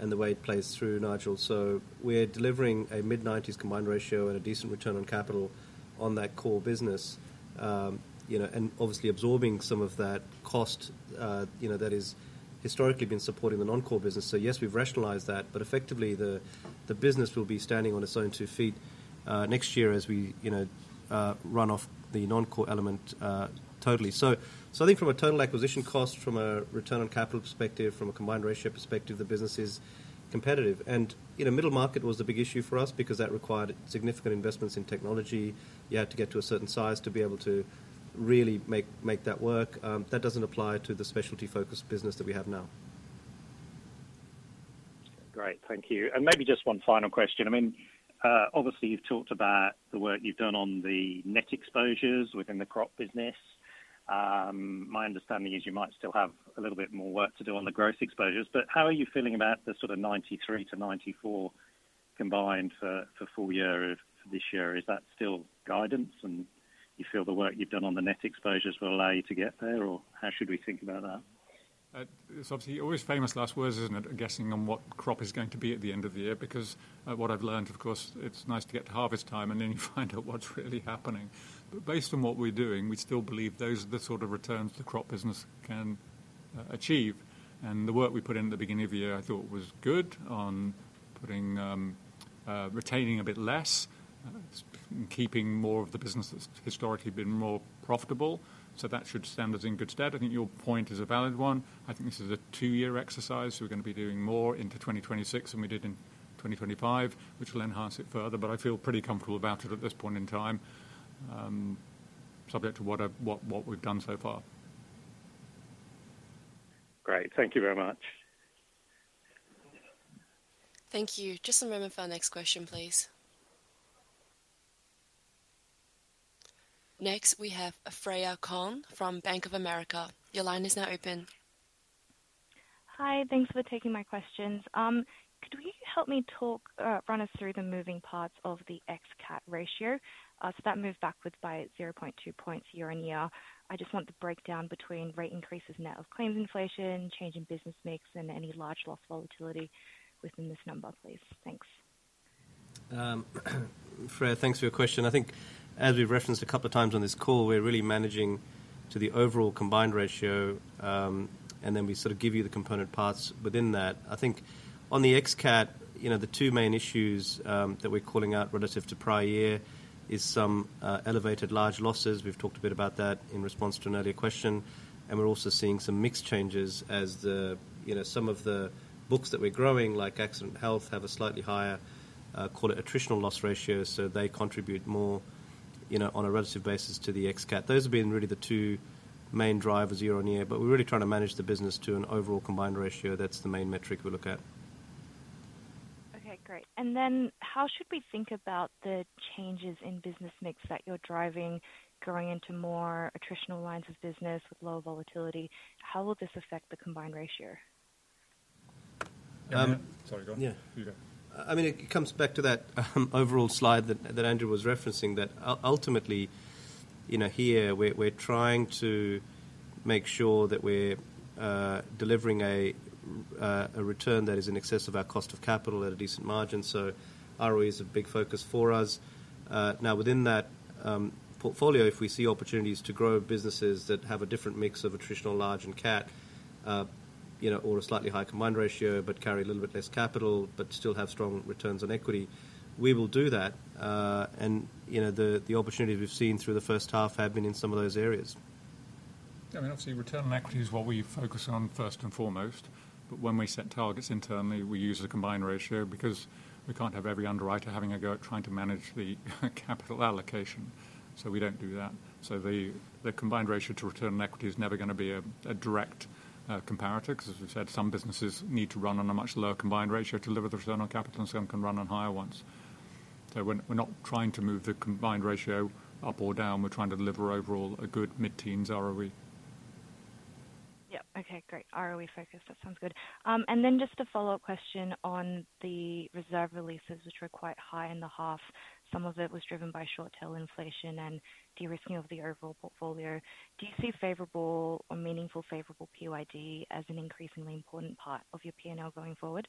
the way it plays through, Nigel, we're delivering a mid-90s combined ratio and a decent return on capital on that core business and obviously absorbing some of that cost that has historically been supporting the non-core business. Yes, we've rationalized that. Effectively, the business will be standing on its own two feet next year as we run off the non-core element. Totally. I think from a total acquisition cost, from a return on capital perspective, from a combined ratio perspective, the business is competitive, and middle market was the big issue for us because that required significant investments in technology. You had to get to a certain size to be able to really make that work. That doesn't apply to the specialty-focused business that we have now. Great, thank you. Maybe just one final question. Obviously you've talked about the work you've done on the net exposures within the Crop business. My understanding is you might still have a little bit more work to do on the gross exposures. How are you feeling about the sort of 93%-94% combined for full year, for this year? Is that still guidance and you feel the work you've done on the net exposures will allow you to get there or how should we think about that? It's obviously always famous last words, isn't it, guessing on what crop is going to be at the end of the year. What I've learned, of course, it's nice to get to harvest time and then you find out what's really happening. Based on what we're doing, we still believe those are the sort of returns the crop business can achieve. The work we put in at the beginning of the year I thought was good on retaining a bit less, keeping more of the business that's historically been more profitable. That should stand us in good stead. I think your point is a valid one. I think this is a two year exercise we're going to be doing more into 2026 than we did in 2025, which will enhance it further. I feel pretty comfortable about it at this point in time, subject to what we've done so far. Great, thank you very much. Thank you. Just a moment for our next question, please. Next we have Freya Kong from Bank of America. Your line is now open. Hi, thanks for taking my questions. Could you help me run us through the moving parts of the ex-cat ratio that moved backwards by 0.2 points year on year? I just want the breakdown between rate increases, net of claims inflation, change in business mix, and any large loss volatility within this number, please. Thanks. Freya, thanks for your question. I think as we've referenced a couple of times on this call, we're really managing to the overall combined ratio, and then we sort of give you the component parts within that. I think on the ex-cat, the two main issues that we're calling out relative to prior year are some elevated large losses. We've talked a bit about that in response to an earlier question, and we're also seeing some mix changes as some of the books that we're growing, like Accident & Health, have a slightly higher, call it, attritional loss ratio. They contribute more, on a relative basis, to the ex-cat. Those have been really the two main drivers year on year. We're really trying to manage the business to an overall combined ratio. That's the main metric we look at. Okay, great. How should we think about the changes in business mix that you're driving going into more attritional lines of business with low volatility? How will this affect the combined ratio? Sorry, go on. Yeah, I mean, it comes back to that overall slide that Andrew was referencing. Ultimately, here we're trying to make sure that we're delivering a return that is in excess of our cost of capital at a decent margin. ROE is a big focus for us now. Within that portfolio, if we see opportunities to grow businesses that have a different mix of a traditional large and catch, you know, or a slightly high combined ratio, but carry a little bit less capital, but still have strong returns on equity, we will do that. The opportunities we've seen through the first half have been in some of those areas. I mean, obviously return on equity is what we focus on first and foremost. When we set targets internally, we use the combined ratio because we can't have every underwriter having a go at trying to manage the capital allocation. We don't do that. The combined ratio to return on equity is never going to be a direct comparator because, as we've said, some businesses need to run on a much lower combined ratio to deliver the return on capital and some can run on higher ones. We're not trying to move the combined ratio up or down. We're trying to deliver overall a good mid teens ROE. Okay, great ROE focus. That sounds good. Just a follow up question on the reserve releases, which were quite high in the half. Some of it was driven by short tail inflation and de-risking of the overall portfolio. Do you see favorable or meaningful favorable PYG as an increasingly important part of your P&L going forward?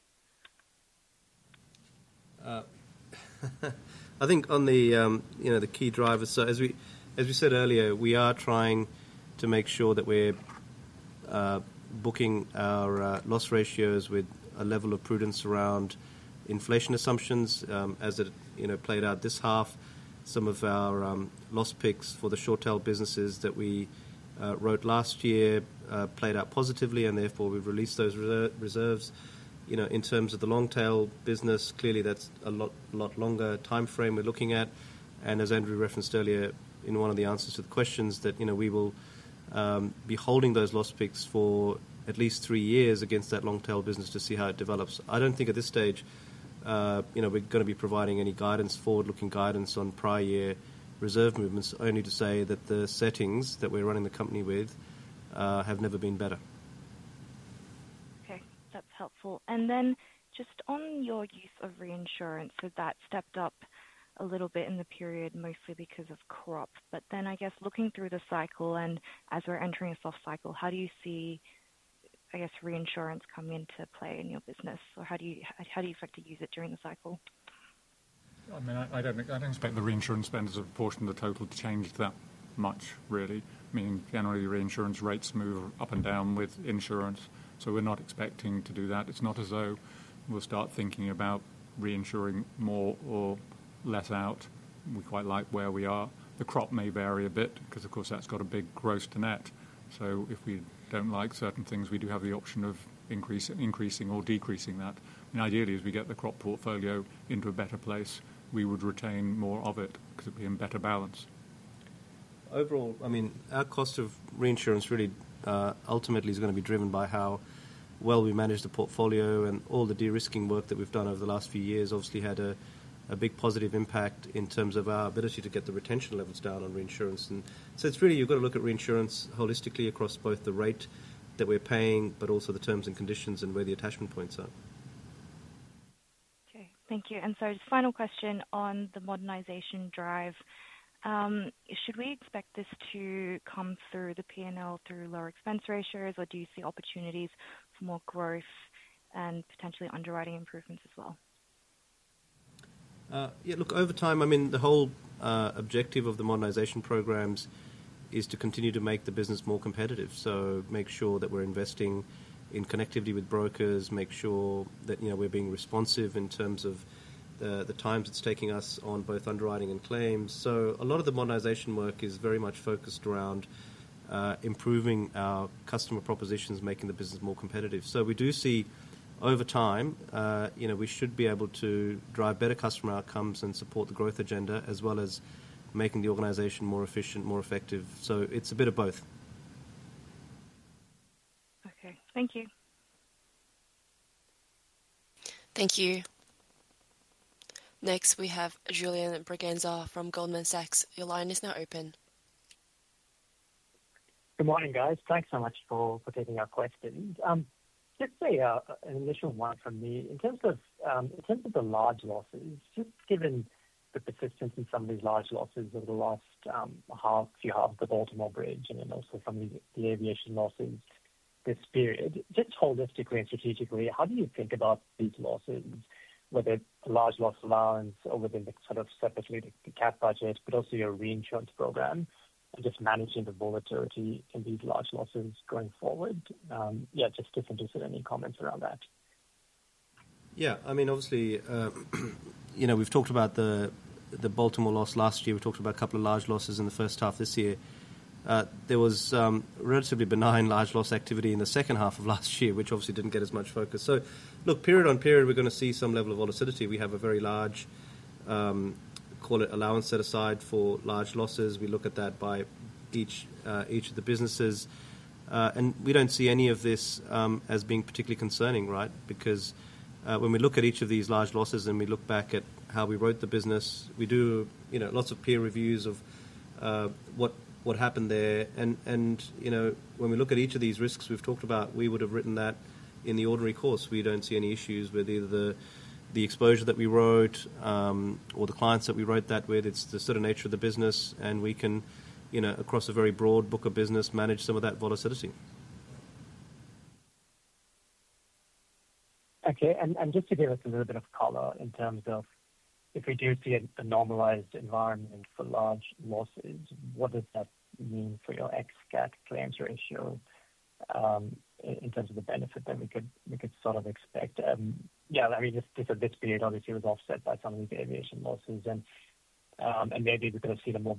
I think on the key drivers, as we said earlier, we are trying to make sure that we're booking our loss ratios with a level of prudence around inflation assumptions. As it played out this half, some of our loss picks for the short tail businesses that we wrote last year played out positively, and therefore we've released those reserves. In terms of the long tail business, clearly that's a lot longer timeframe we're looking at. As Andrew referenced earlier in one of the answers to the questions, we will be holding those loss picks for at least three years against that long tail business to see how it develops. I don't think at this stage we're going to be providing any guidance, forward looking guidance on prior year reserve movements, only to say that the settings that we're running the company with have never been better. Okay, that's helpful. Just on your use of reinsurance, that stepped up a little bit in the period mostly because of Crop. I guess looking through the cycle and as we're entering a soft cycle, how do you see reinsurance come into play in your business or how do you expect to use it during the cycle? I mean I don't expect the reinsurance spend as a proportion of the total to change that much really. I mean generally reinsurance rates move up and down with insurance. We're not expecting to do that. It's not as though we'll start thinking about reinsuring more or less out. We quite like where we are. The Crop may vary a bit because of course that's got a big gross to net. If we don't like certain things, we do have the option of increasing or decreasing that. Ideally, as we get the Crop portfolio into a better place, we would retain more of it because it'd be in better balance. I mean, our cost of reinsurance really ultimately is going to be driven by how well we manage the portfolio. All the de-risking work that we've done over the last few years obviously had a big positive impact in terms of our ability to get the retention levels down on reinsurance. You have to look at reinsurance holistically across both the rate that we're paying, but also the terms and conditions and where the attachment points are. Okay, thank you. Just final question on the modernization drive. Should we expect this to come through the P&L through lower expense ratios, or do you see opportunities for more growth and potentially underwriting improvements as well? Yeah, look, over time, the whole objective of the modernization programs is to continue to make the business more competitive. Make sure that we're investing in connectivity with brokers, make sure that we're being responsive in terms of the times it's taking us on both underwriting and claims. A lot of the modernization work is very much focused around improving our customer propositions, making the business more competitive. We do see over time we should be able to drive better customer outcomes and support the growth agenda as well as making the organization more efficient, more effective. It's a bit of both. Okay, thank you. Thank you. Next we have Julian Braganza from Goldman Sachs. Your line is now open. Good morning, guys. Thanks so much for taking our question. Just an initial one from me. In terms of the large losses, given the persistence in some of these large losses over the last half year of the Baltimore Bridge and also some of the aviation losses this period, just holistically and strategically, how do you think about these losses with a large loss allowance or within the sort of separately the cat budget, but also your reinsurance program, just managing the volatility can lead large losses going forward. Any comments around that. Yeah, I mean, obviously we've talked about the Baltimore loss last year. We talked about a couple of large losses in the first half this year. There was relatively benign large loss activity in the second half of last year, which obviously didn't get as much focus. Look, period on period, we're going to see some level of volatility. We have a very large, call it, allowance set aside for large losses. We look at that by each of the businesses, and we don't see any of this as being particularly concerning. Right? When we look at each of these large losses and we look back at how we wrote the business, we do lots of peer reviews of what happened there. When we look at each of these risks we've talked about, we would have written that in the ordinary course. We don't see any issues with either the exposure that we wrote or the clients that we wrote that with. It's the sort of nature of the business and we can, across a very broad book of business, manage some of that volatility. Okay, and just to give us a little bit of color in terms of if we do see a normalized environment for large losses, what does that mean for your ex-cat claims ratio in terms of the benefit that we could sort of expect? I mean this period obviously was offset by some of these aviation losses, and maybe we could have seen a more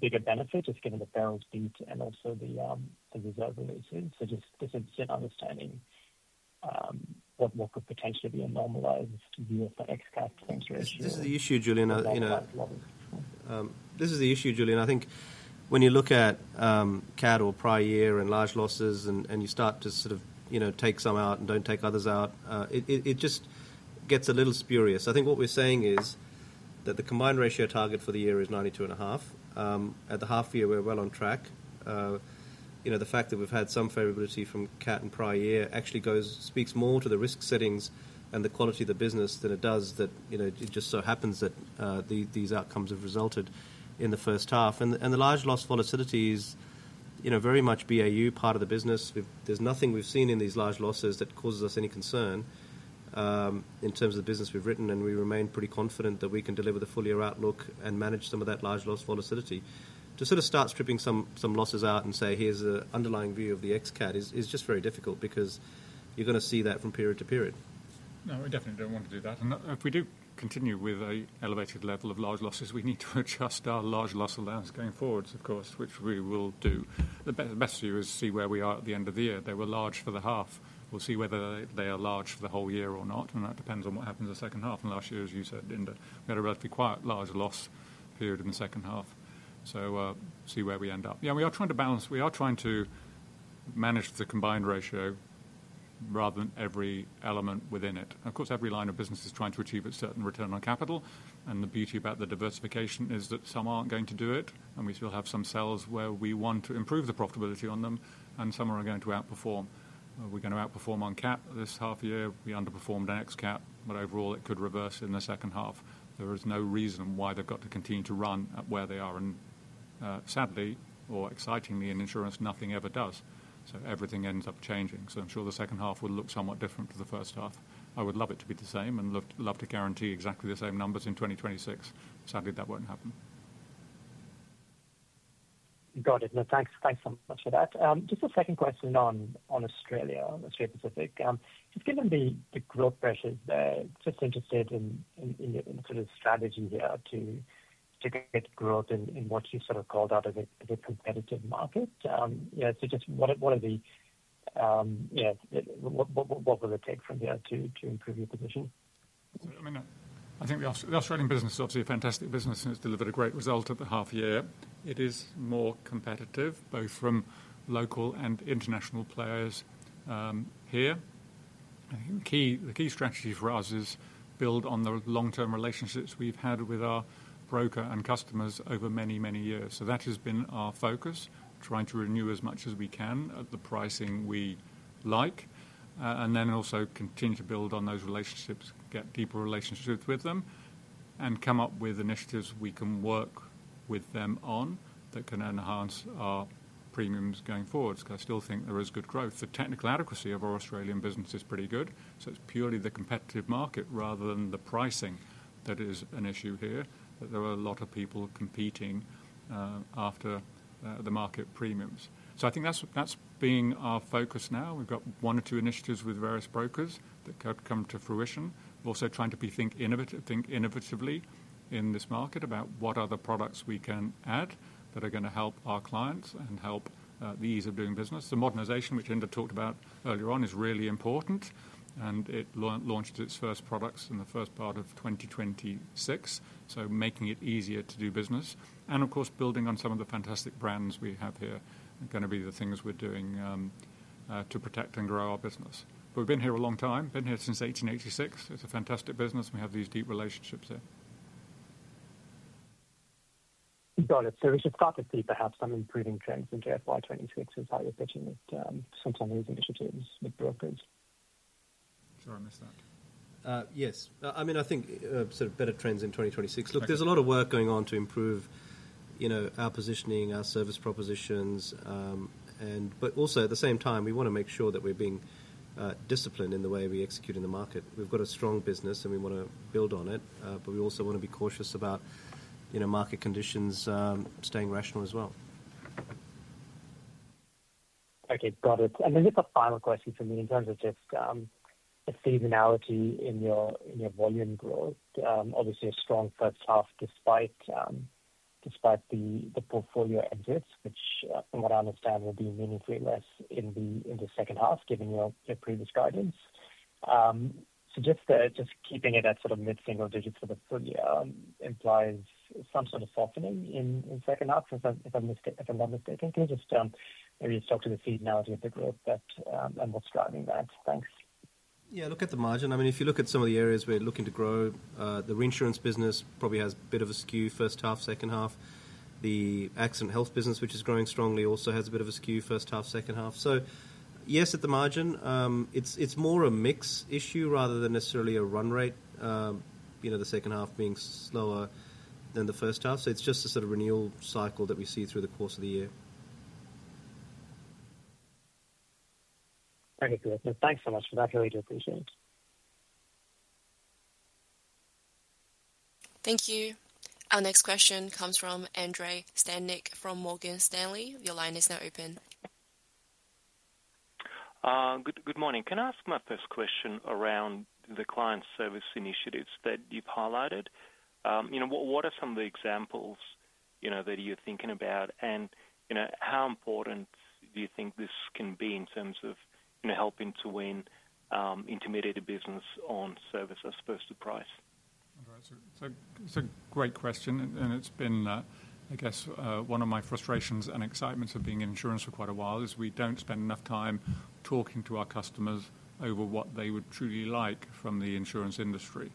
bigger benefit just given the barrel speed and also the reserve relation. Just understanding what could potentially be a normalized view of the ex-cat. This is the issue, Julian. I think when you look at cat or prior year and large losses and you start to sort of take some out and don't take others out, it just gets a little spurious. I think what we're saying is that the combined ratio target for the year is 92.5%. At the half year, we're well on track. The fact that we've had some favorability from cat and prior year actually speaks more to the risk settings and the quality of the business than it does that. It just so happens that these outcomes have resulted in the first half and the large loss volatility is very much business as usual, part of the business. There's nothing we've seen in these large losses that causes us any concern in terms of the business we've written and we remain pretty confident that we can deliver the full year outlook and manage some of that large loss volatility. To sort of start stripping some losses out and say, here's the underlying view of the ex-cat is just very difficult because you're going to see that from period to period. No, we definitely don't want to do that. If we do continue with an elevated level of large losses, we need to adjust our large loss allowance going forwards, of course, which we will do. The best view is see where we are at the end of the year. They were large for the half. We'll see whether they are large for the whole year or not. That depends on what happens in the second half. Last year, as you said, we had a relatively quiet large loss period in the second half. See where we end up. We are trying to balance, we are trying to manage the combined ratio rather than every element within it. Of course, every line of business is trying to achieve a certain return on capital and the beauty about the diversification is that some aren't going to do it and we still have some cells where we want to improve the profitability on them and some are going to outperform. We're going to outperform on cat this half. This year we underperformed ex-cat, but overall it could reverse in the second half. There is no reason why they've got to continue to run at where they are. Sadly or excitingly in insurance, nothing ever does. Everything ends up changing. I'm sure the second half will look somewhat different to the first half. I would love it to be the same and love to guarantee exactly the same numbers in 2026. Sadly that won't happen. Got it. No, thanks. Thanks so much for that. Just a second question on Australia Pacific, just given the growth pressures there, just interested in sort of strategy here to get growth in what you sort of called out of the competitive market. What will it take from here to improve your position? I mean, I think the Australian business is obviously a fantastic business and it's delivered a great result at the half year. It is more competitive both from local and international players here. I think the key strategy for us is build on the long term relationships we've had with our broker and customers over many, many years. That has been our focus, trying to renew as much as we can at the pricing we like and then also continue to build on those relationships, get deeper relationships with them and come up with initiatives we can work with them on that can enhance our premiums going forward. I still think there is good growth. The technical adequacy of our Australian business is pretty good. It's purely the competitive market rather than the pricing that is an issue here, that there are a lot of people competing after the market premiums. I think that's being our focus now. We've got one or two initiatives with various brokers that come to fruition. Also trying to think innovatively in this market about what other products we can add that are going to help our clients and help the ease of doing business. The modernization which Inder talked about earlier on is really important and it launched its first products in the first part of 2026. Making it easier to do business and of course, building on some of the fantastic brands we have here are going to be the things we're doing to protect and grow our business. We've been here a long time, been here since 1886. It's a fantastic business. We have these deep relationships here. Got it. We should start with, perhaps some improving trends in FY 2026 is how you're pitching it. Sometimes you turn with brokers. Sorry, I missed that. Yes, I mean, I think sort of better trends in 2026. Look, there's a lot of work going on to improve our positioning, our service propositions, but also at the same time, we want to make sure that we're being disciplined in the way we execute in the market. We've got a strong business and we want to build on it, but we also want to be cautious about market conditions, staying rational as well. Okay, got it. I think a final question for me in terms of just seasonality in your volume growth, obviously a strong first half despite the portfolio entries, which from what I understand will be meaningful in the second half, given your previous guidance. Just keeping it at sort of mid single digits for the full year implies some sort of softening in the second half, if I'm not mistaken. Can you maybe just talk to the seasonality of the growth and what's driving that? Thanks. Yeah, look at the margin. I mean, if you look at some of the areas we're looking to grow, the Reinsurance business probably has a bit of a skew first half, second half. The Accident & Health business, which is growing strongly, also has a bit of a skew first half, second half. Yes, at the margin, it's more a mix issue rather than necessarily a run rate, the second half being slower than the first half. It's just a sort of renewal cycle that we see through the course of the year. Okay, great. Thanks so much for that. Thank you. Our next question comes from Andrei Stadnik from Morgan Stanley. Your line is now open. Good morning. Can I ask my first question around the client service initiatives that you've highlighted? What are some of the examples that you're thinking about, and how important do you think this can be in terms of helping to win intermediate business on services first to price? It's a great question and it's been, I guess, one of my frustrations and excitements of being in insurance for quite a while is we don't spend enough time talking to our customers over what they would truly like from the insurance industry.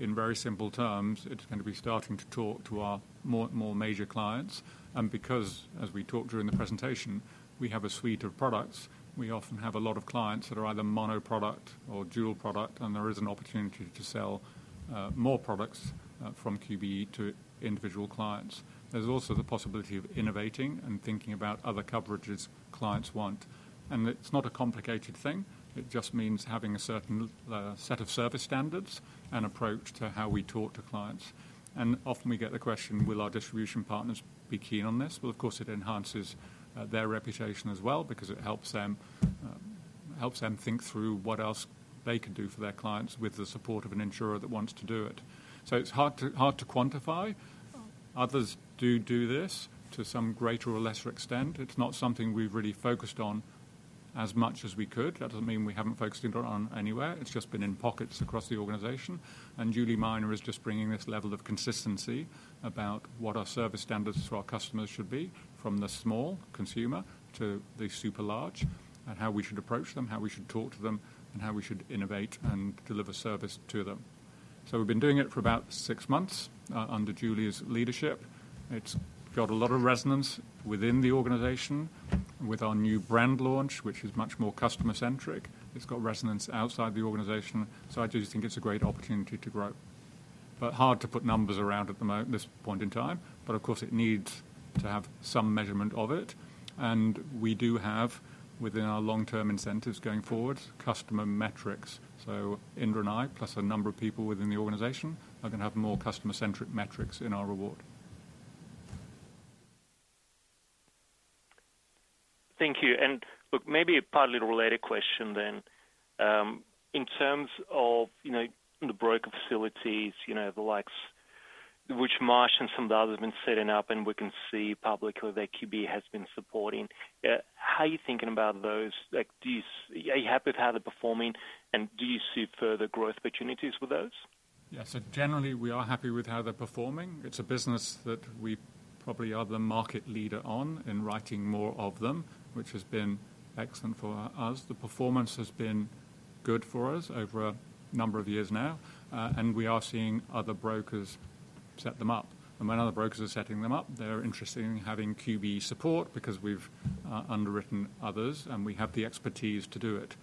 In very simple terms, it's going to be starting to talk to our more major clients because as we talked during the presentation, we have a suite of products. We often have a lot of clients that are either mono product or dual product, and there is an opportunity to sell more products from QBE to individual clients. There's also the possibility of innovating and thinking about other coverages clients want. It's not a complicated thing. It just means having a certain set of service standards and approach to how we talk to clients. Often we get the question, will our distribution partners be keen on this? Of course it enhances their reputation as well because it helps them think through what else they can do for their clients with the support of an insurer that wants to do it. It's hard to quantify. Others do do this to some greater or lesser extent. It's not something we've really focused on as much as we could. That doesn't mean we haven't focused on it anywhere. It's just been in pockets across the organization. Julie Miner is just bringing this level of consistency about what our service standards to our customers should be from the consumer to the super large and how we should approach them, how we should talk to them and how we should innovate and deliver service to them. We've been doing it for about six months under Julie's leadership. It's got a lot of resonance within the organization with our new brand launch which is much more customer centric. It's got resonance outside the organization. I do think it's a great opportunity to grow but hard to put numbers around at the moment, this point in time. Of course it needs to have some measurement of it, and we do have within our long term incentives going forward customer metrics. Inder and I plus a number of people within the organization are going to have more customer centric metrics in our reward. Thank you. Maybe a partly related question in terms of the broker facilities, the likes of which Marsh and some of the others have been setting up and we can see publicly that QBE has been supporting. How are you thinking about those? Are you happy with how they're performing and do you see further growth opportunities for those? Yeah, so generally we are happy with how they're performing. It's a business that we probably are the market leader on in writing more of them, which has been excellent for us. The performance has been good for us over a number of years now and we are seeing other brokers set them up and when other brokers are setting them up, they're interested in having QBE support because we've underwritten others and we have the expertise to do it.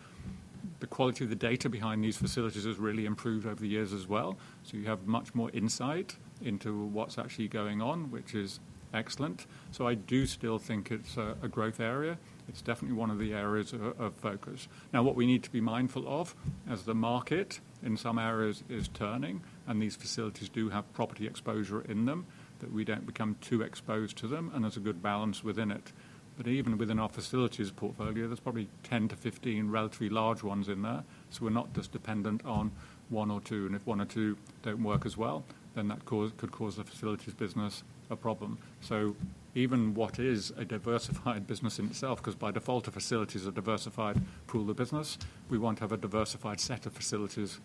The quality of the data behind these facilities has really improved over the years as well. You have much more insight into what's actually going on, which is excellent. I do still think it's a growth area. It's definitely one of the areas of focus now. What we need to be mindful of as the market in some areas is turning and these facilities do have property exposure in them is that we don't become too exposed to them and there's a good balance within it. Even within our facilities portfolio, there's probably 10-15 relatively large ones in there, so we're not just dependent on one or two. If one or two don't work as well, then that could cause the facilities business a problem. Even what is a diversified business in itself, because by default the facilities are diversified, pool the business. We want to have a diversified set of facilities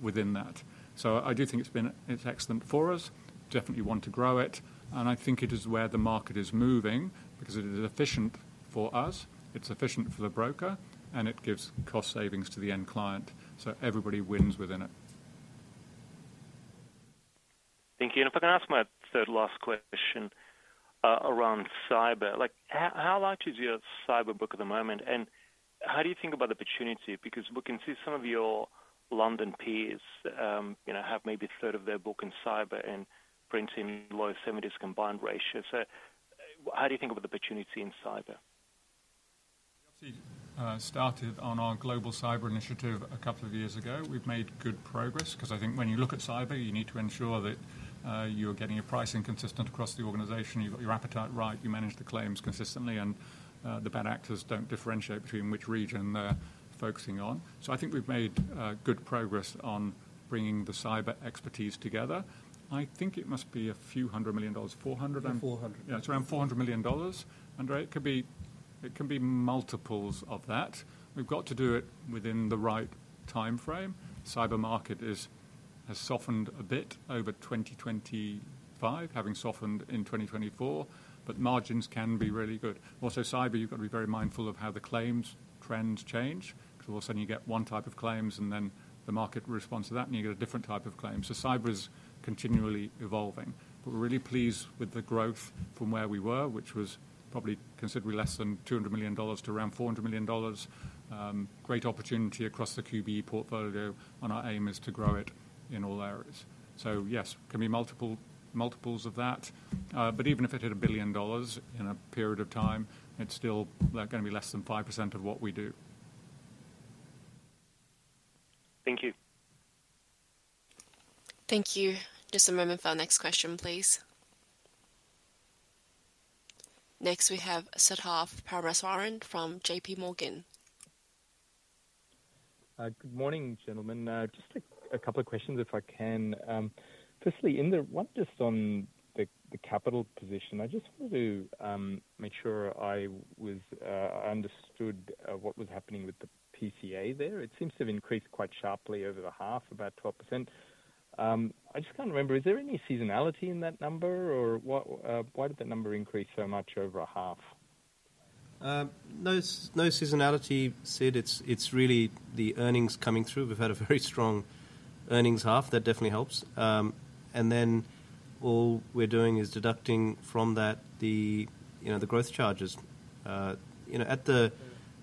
within that. I do think it's been excellent for us, definitely want to grow it, and I think it is where the market is moving because it is efficient for us, it's efficient for the broker, and it gives cost savings to the end client. Everybody wins within it. Thank you. If I can ask my third last question around Cyber, like how large is your Cyber book at the moment and how do you think about the opportunity? We can see some of your London peers have maybe a third of their book in Cyber and printing low 70% combined ratio. How do you think of the opportunity in Cyber? Started on our global Cyber initiative a couple of years ago. We've made good progress because I think when you look at Cyber, you need to ensure that you're getting your pricing consistent across the organization. You've got your appetite right. You manage the claims consistently, and the bad actors don't differentiate between which region they're focusing on. I think we've made good progress on bringing the Cyber expertise together. I think it must be a few hundred million dollars. Four hundred. Four hundred, yeah. It's around 400 million dollars, Andrei. It can be multiples of that. We've got to do it within the right time frame. Cyber market has softened a bit over 2025, having softened in 2024, but margins can be really good. Also, Cyber, you've got to be very mindful of how the claims are. Trends change because all of a sudden you get one type of claims, and then the market responds to that and you get a different type of claim. Cyber is continually evolving, but we're really pleased with the growth from where we were, which was probably considerably less than 200 million dollars, to around 400 million dollars. Great opportunity across the QBE portfolio, and our aim is to grow it in all areas. Yes, can be multiples of that, but even if it hit 1 billion dollars in a period of time, it's still going to be less than 5% of what we do. Thank you. Thank you. Just a moment for our next question, please. Next we have Siddharth Parameswaran from JPMorgan. Good morning, gentlemen. Just a couple of questions, if I can. Firstly, just on the capital position, I just wanted to make sure I understood what was happening with the PCA there. It seems to have increased quite sharply over the half, about 12%. I just can't remember, is there any seasonality in that number or why did the number increase so much over a half? No seasonality, Sid. It's really the earnings coming through. We've had a very strong earnings half. That definitely helps. All we're doing is deducting from that the growth charges, at the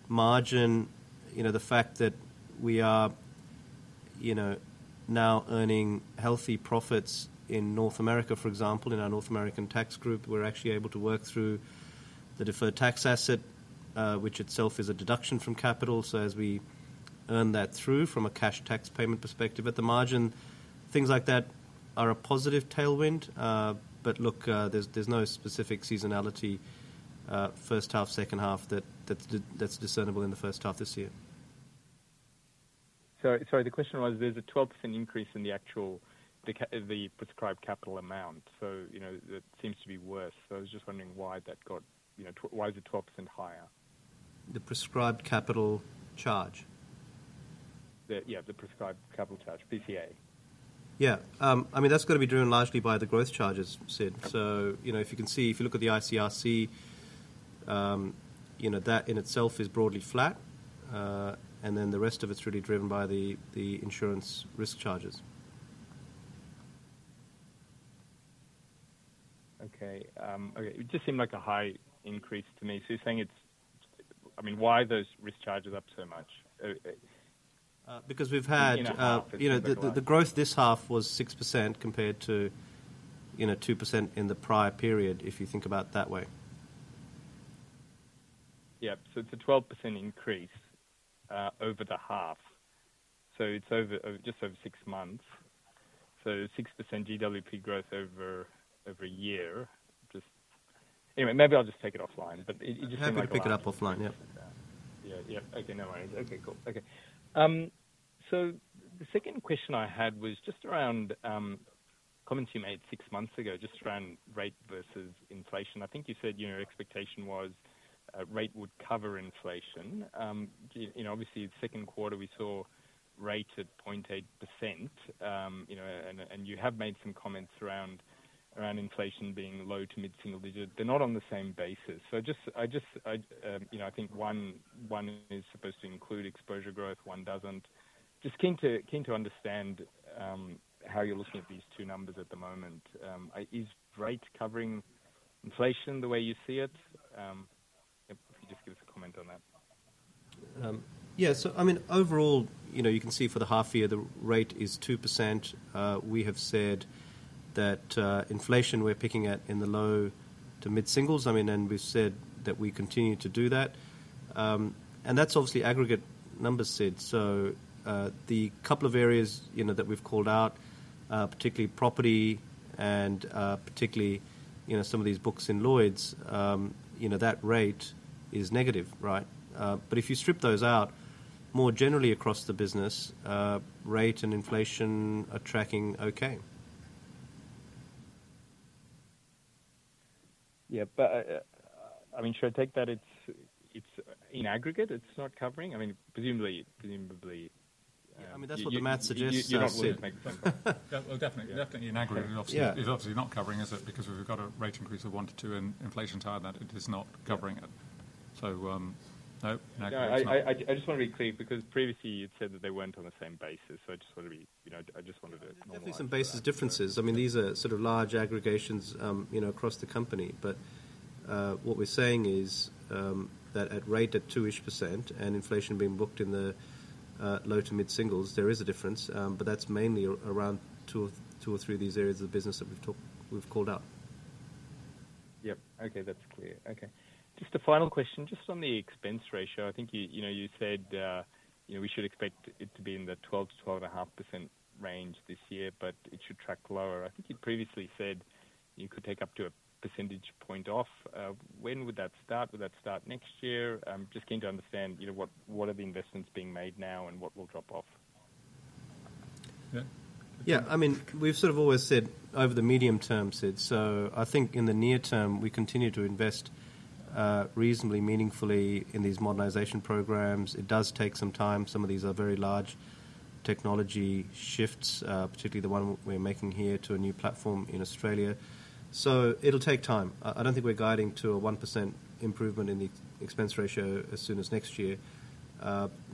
margin, the fact that we are now earning healthy profits in North America, for example, in our North American tax group, we're actually able to work through the deferred tax asset, which itself is a deduction from capital. As we earn that through from a cash tax payment perspective, at the margin, things like that are a positive tailwind. There's no specific seasonality first half, second half, that's discernible in the first half this year. The question was there's a 12% increase in the actual, the prescribed capital amount. That seems to be worse. I was just wondering why that got. Why is it 12% higher? The prescribed capital charge? Yeah, the prescribed capital charge, PCA. Yeah. I mean, that's got to be driven largely by the growth charges, Sid. If you can see, if you look at the ICRC, you know, that in itself is broadly flat. The rest of it's really driven by the insurance risk charges. Okay. It just seemed like a high increase to me. You're saying it's, I mean, why are those risk charges up so much? Because we've had the growth, this half was 6% compared to 2% in the prior period, if you think about that way. It's a 12% increase over the half, so it's over just over six months. It's 6% GWP growth over every year. Anyway, maybe I'll just take it offline. You just pick it up offline. Okay, so the second question I had was just around comments you made six months ago, just around rate versus inflation. I think you said your expectation was rate would cover inflation. Obviously, second quarter we saw rate at 0.8% and you have made some comments around inflation being low to mid single digit. They're not on the same basis. I think one is supposed to include exposure growth, one doesn't. Just keen to understand how you're looking at these two numbers at the moment. Is rate covering inflation the way you see it? If you just give us a comment on that. Yeah. I mean overall, you know, you can see for the half year the rate is 2%. We have said that inflation we're picking at in the low to mid singles, I mean, and we've said that we continue to do that and that's obviously aggregate numbers, Sid. The couple of areas that we've called out, particularly property and particularly some of these books in Lloyd's, you know that rate is negative. Right. If you strip those out, more generally across the business rate and inflation are tracking okay. Yeah, should I take that it's in aggregate, it's not covering. I mean, presumably. I mean, that's what the math suggests. In aggregate, it's obviously not covering, is it because we've got a rate increase of 1%_2% and inflation tied that it is not covering it. I just want to be clear because previously you'd said that they weren't on the same basis. I just want to be clear. I just wanted it definitely some basis differences. I mean these are sort of large aggregations across the company. What we're saying is that at rate at 2% and inflation being booked in the low to mid singles, there is a difference, but that's mainly around two or three of these areas of the business that we've talked, we've called up. Okay, that's clear. Just a final question, just on the expense ratio. I think you said we should expect it to be in the 12-12.2% range this year, but it should track lower. I think you previously said you could take up to a percentage point off. When would that start? Would that start next year? Just keen to understand what are the investments being made now and what will drop off. Yeah. Yeah, I mean we've sort of always said over the medium term, Sid. I think in the near term we continue to invest reasonably meaningfully in these modernization programs. It does take some time. Some of these are very large technology shifts, particularly the one we're making here to a new platform in Australia. It'll take time. I don't think we're guiding to a 1% improvement in the expense ratio as soon as next year.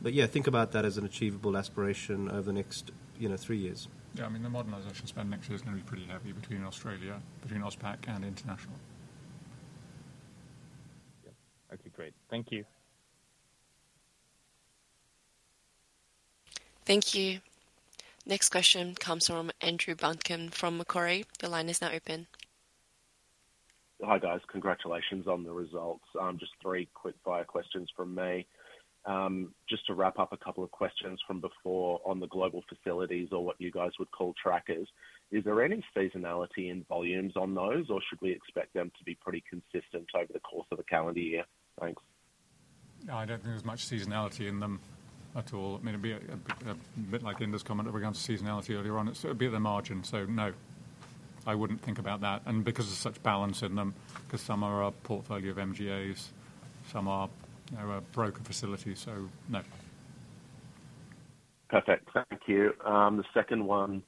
Think about that as an achievable aspiration over the next three years. Yeah, I mean the modernization spend next year is going to be pretty nappy between Australia Pacific, between AUSPAC and International. Okay, great. Thank you. Thank you. Next question comes from Andrew Buncombe from Macquarie. The line is now open. Hi guys. Congratulations on the results. Just three quick fire questions from me. Just to wrap up a couple of questions from before on the global facilities or what you guys would call trackers, is there any seasonality in volumes on those or should we expect them to be pretty consistent over the course of a calendar year? Thanks. I don't think there's much seasonality in them at all. It'd be a bit like Inder's comment regarding seasonality earlier on. It's at the margin. No, I wouldn't think about that. Because there's such balance in them, because some are a portfolio of MGAs, some are broker facilities. No. Perfect, thank you. The second one,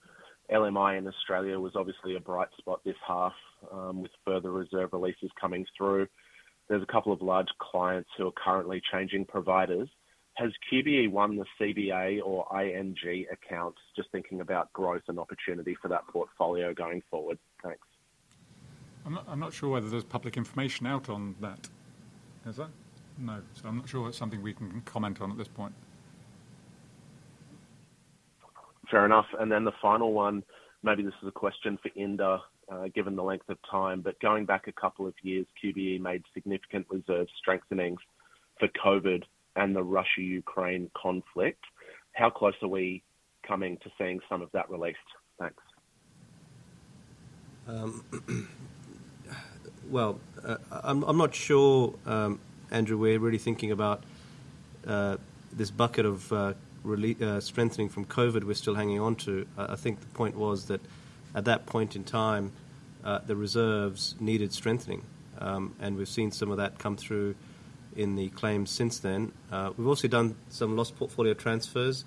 LMI in Australia was obviously a bright spot this half, with further reserve releases coming through. There's a couple of large clients who are currently changing providers. Has QBE won the CBA or ING accounts? Just thinking about growth and opportunity for that portfolio going forward. Thanks. I'm not sure whether there's public information out on that, is there? No, I'm not sure it's something we can comment on at this point. Fair enough. The final one, maybe this is a question for Inder given the length of time, but going back a couple of years, QBE made significant reserve strengthenings for COVID and the Russia Ukraine conflict. How close are we coming to seeing some of that released? Thanks. I'm not sure, Andrew. We're really thinking about this bucket of strengthening from COVID we're still hanging on to. I think the point was that at that point in time the reserves needed strengthening, and we've seen some of that come through in the claims since then. We've also done some loss portfolio transfers,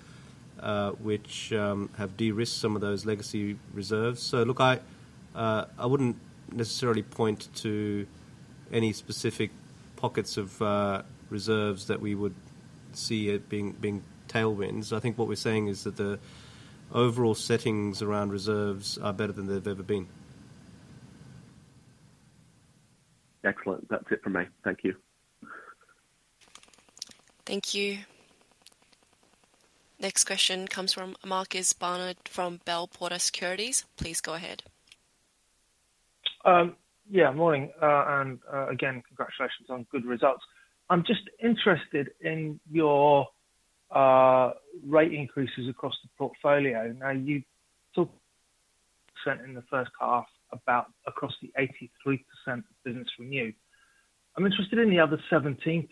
which have de-risked some of those legacy reserves. I wouldn't necessarily point to any specific pockets of reserves that we would see as being tailwinds. I think what we're saying is that the overall settings around reserves are better than they've ever been. Excellent. That's it for me. Thank you. Thank you. Next question comes from Marcus Barnard from Bell Potter Securities. Please go ahead. Yeah, morning and again congratulations on good results. I'm just interested in your rate increases across the portfolio. You talk in the first half about across the 83% business renew. I'm interested in the other 17%.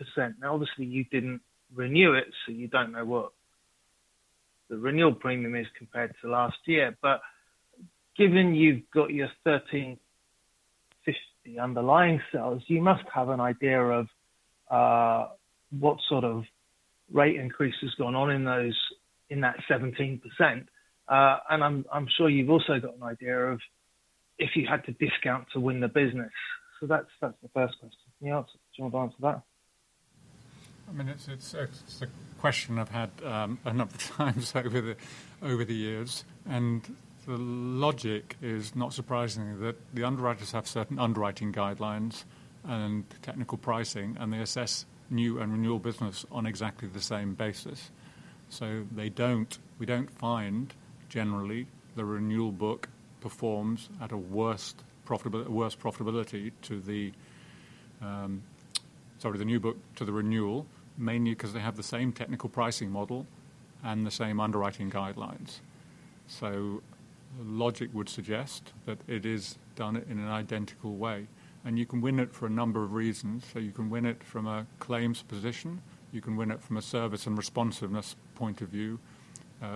Obviously you didn't renew it, so you don't know what the renewal premium is compared to last year. Given you've got your 1,350 underlying sales, you must have an idea of what sort of rate increase has gone on in that 17%. I'm sure you've also got an idea of if you had to discount to win the business. That's the first question. Do you want to answer that? It's a question I've had enough times over the years. The logic is not surprising that the underwriters have certain underwriting guidelines and technical pricing, and they assess new and renewal business on exactly the same basis. We don't find generally the renewal book performs at a worse profitability than the new book to the renewal, mainly because they have the same technical pricing model and the same underwriting guidelines. Logic would suggest that it is done in an identical way, and you can win it for a number of reasons. You can win it from a claims position, you can win it from a service and responsiveness point of view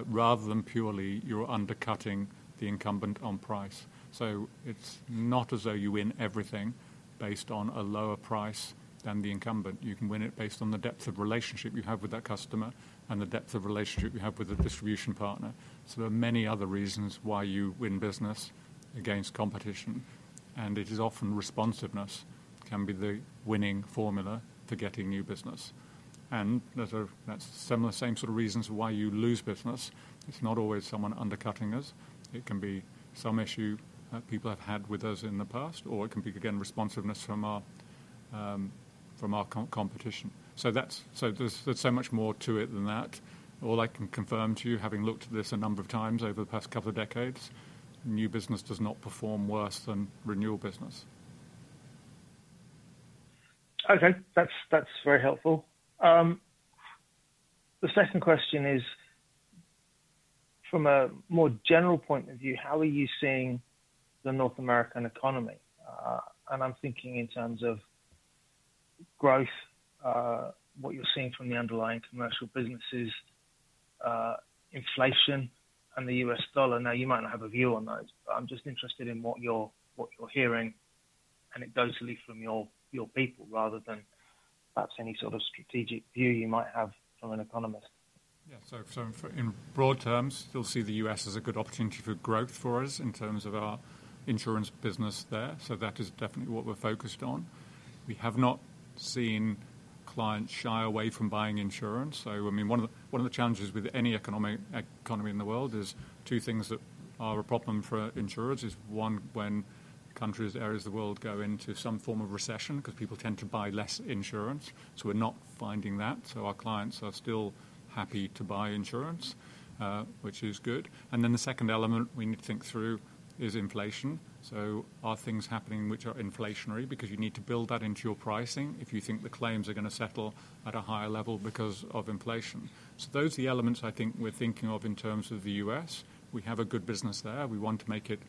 rather than purely undercutting the incumbent on price. It's not as though you win everything based on a lower price than the incumbent. You can win it based on the depth of relationship you have with that customer and the depth of relationship you have with the distribution partner. There are many other reasons why you win business against competition. Responsiveness can be the winning formula for getting new business. That's similar to the same sort of reasons why you lose business. It's not always someone undercutting us. It can be some issue people have had with us in the past, or it can be again responsiveness from our competition. There's so much more to it than that. All I can confirm to you, having looked at this a number of times over the past couple of decades, new business does not perform worse than renewal business. Okay, that's very helpful. The second question is from a more general point of view, how are you seeing the North American economy? I'm thinking in terms of growth, what you're seeing from the underlying commercial businesses, inflation, and the U.S. Dollar. You might not have a view on those, but I'm just interested in what you're hearing and it goes at least from your people, rather than perhaps any sort of strategic view you might have from an economist. Yeah. In broad terms, still see the U.S. as a good opportunity for growth for us in terms of our insurance business there. That is definitely what we're focused on. We have not seen clients shy away from buying insurance. One of the challenges with any economy in the world is two things that are a problem for insurers. One, when countries or areas of the world go into some form of recession because people tend to buy less insurance. We're not finding that. Our clients are still happy to buy insurance, which is good. The second element we need to think through is inflation. Are things happening which are inflationary? You need to build that into your pricing if you think the claims are going to settle at a higher level because of inflation. Those are the elements I think we're thinking of. In terms of the U.S., we have a good business there. We want to make it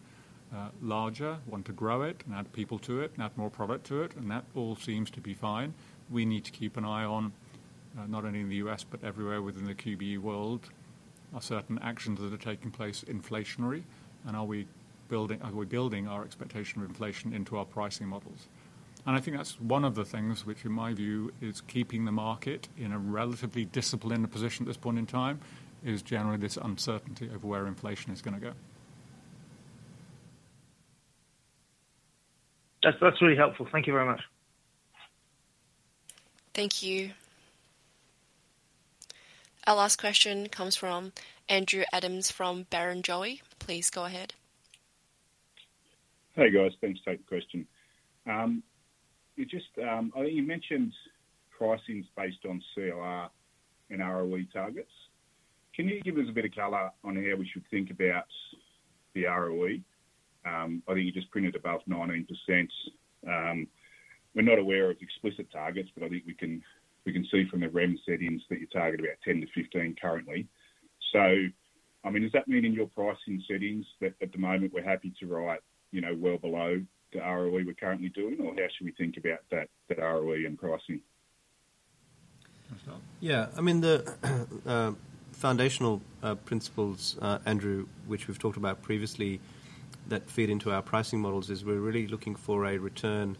larger, want to grow it and add people to it and add more product to it, and that all seems to be fine. We need to keep an eye on, not only in the U.S. but everywhere within the QBE world, are certain actions that are taking place inflationary, and are we building our expectation of inflation into our pricing models? I think that's one of the things which in my view is keeping the market in a relatively disciplined position at this point in time, is generally this uncertainty of where inflation is going to go. That's really helpful. Thank you very much. Thank you. Our last question comes from Andrew Adams from Barenjoey, please go ahead. Hey, guys. Thanks. Take the question. You mentioned pricing's based on CLR and ROE targets. Can you give us a bit of color on how we should think about the ROE? I think you just printed above 19%. We're not aware of explicit targets, but I think we can see from the REM settings that you target about 10%-15% currently. Does that mean in your pricing settings that at the moment we're happy to write, you know, well below the ROE we're currently doing or how should we think about that? ROE and pricing? Yeah, I mean, the foundational principles, Andrew, which we've talked about previously that feed into our pricing models is we're really looking for a return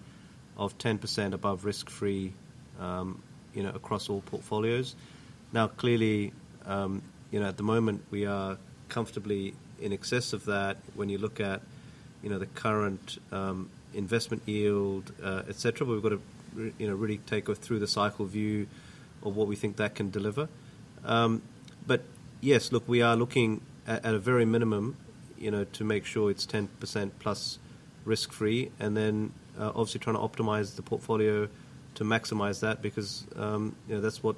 of 10% above risk free, you know, across all portfolios. Now, clearly, you know, at the moment, we are comfortably in excess of that. When you look at, you know, the current investment yield, et cetera, we've got to, you know, really take through the cycle view of what we think that can deliver. Yes, look, we are looking at a very minimum, you know, to make sure it's 10%+ risk free and then obviously trying to optimize the portfolio to maximize that. Because that's what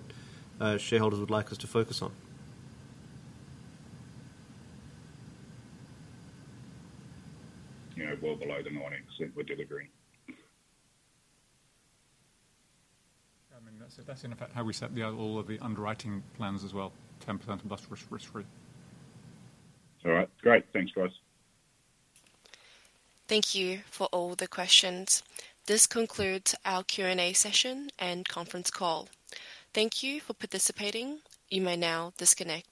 shareholders would like us to focus on. Yeah, below the 90% we did agree. I mean, that's in fact how we set all of the underwriting plans as well. 10%+ risk free. All right, great. Thanks, guys. Thank you for all the questions. This concludes our Q&A session and conference call. Thank you for participating. You may now disconnect.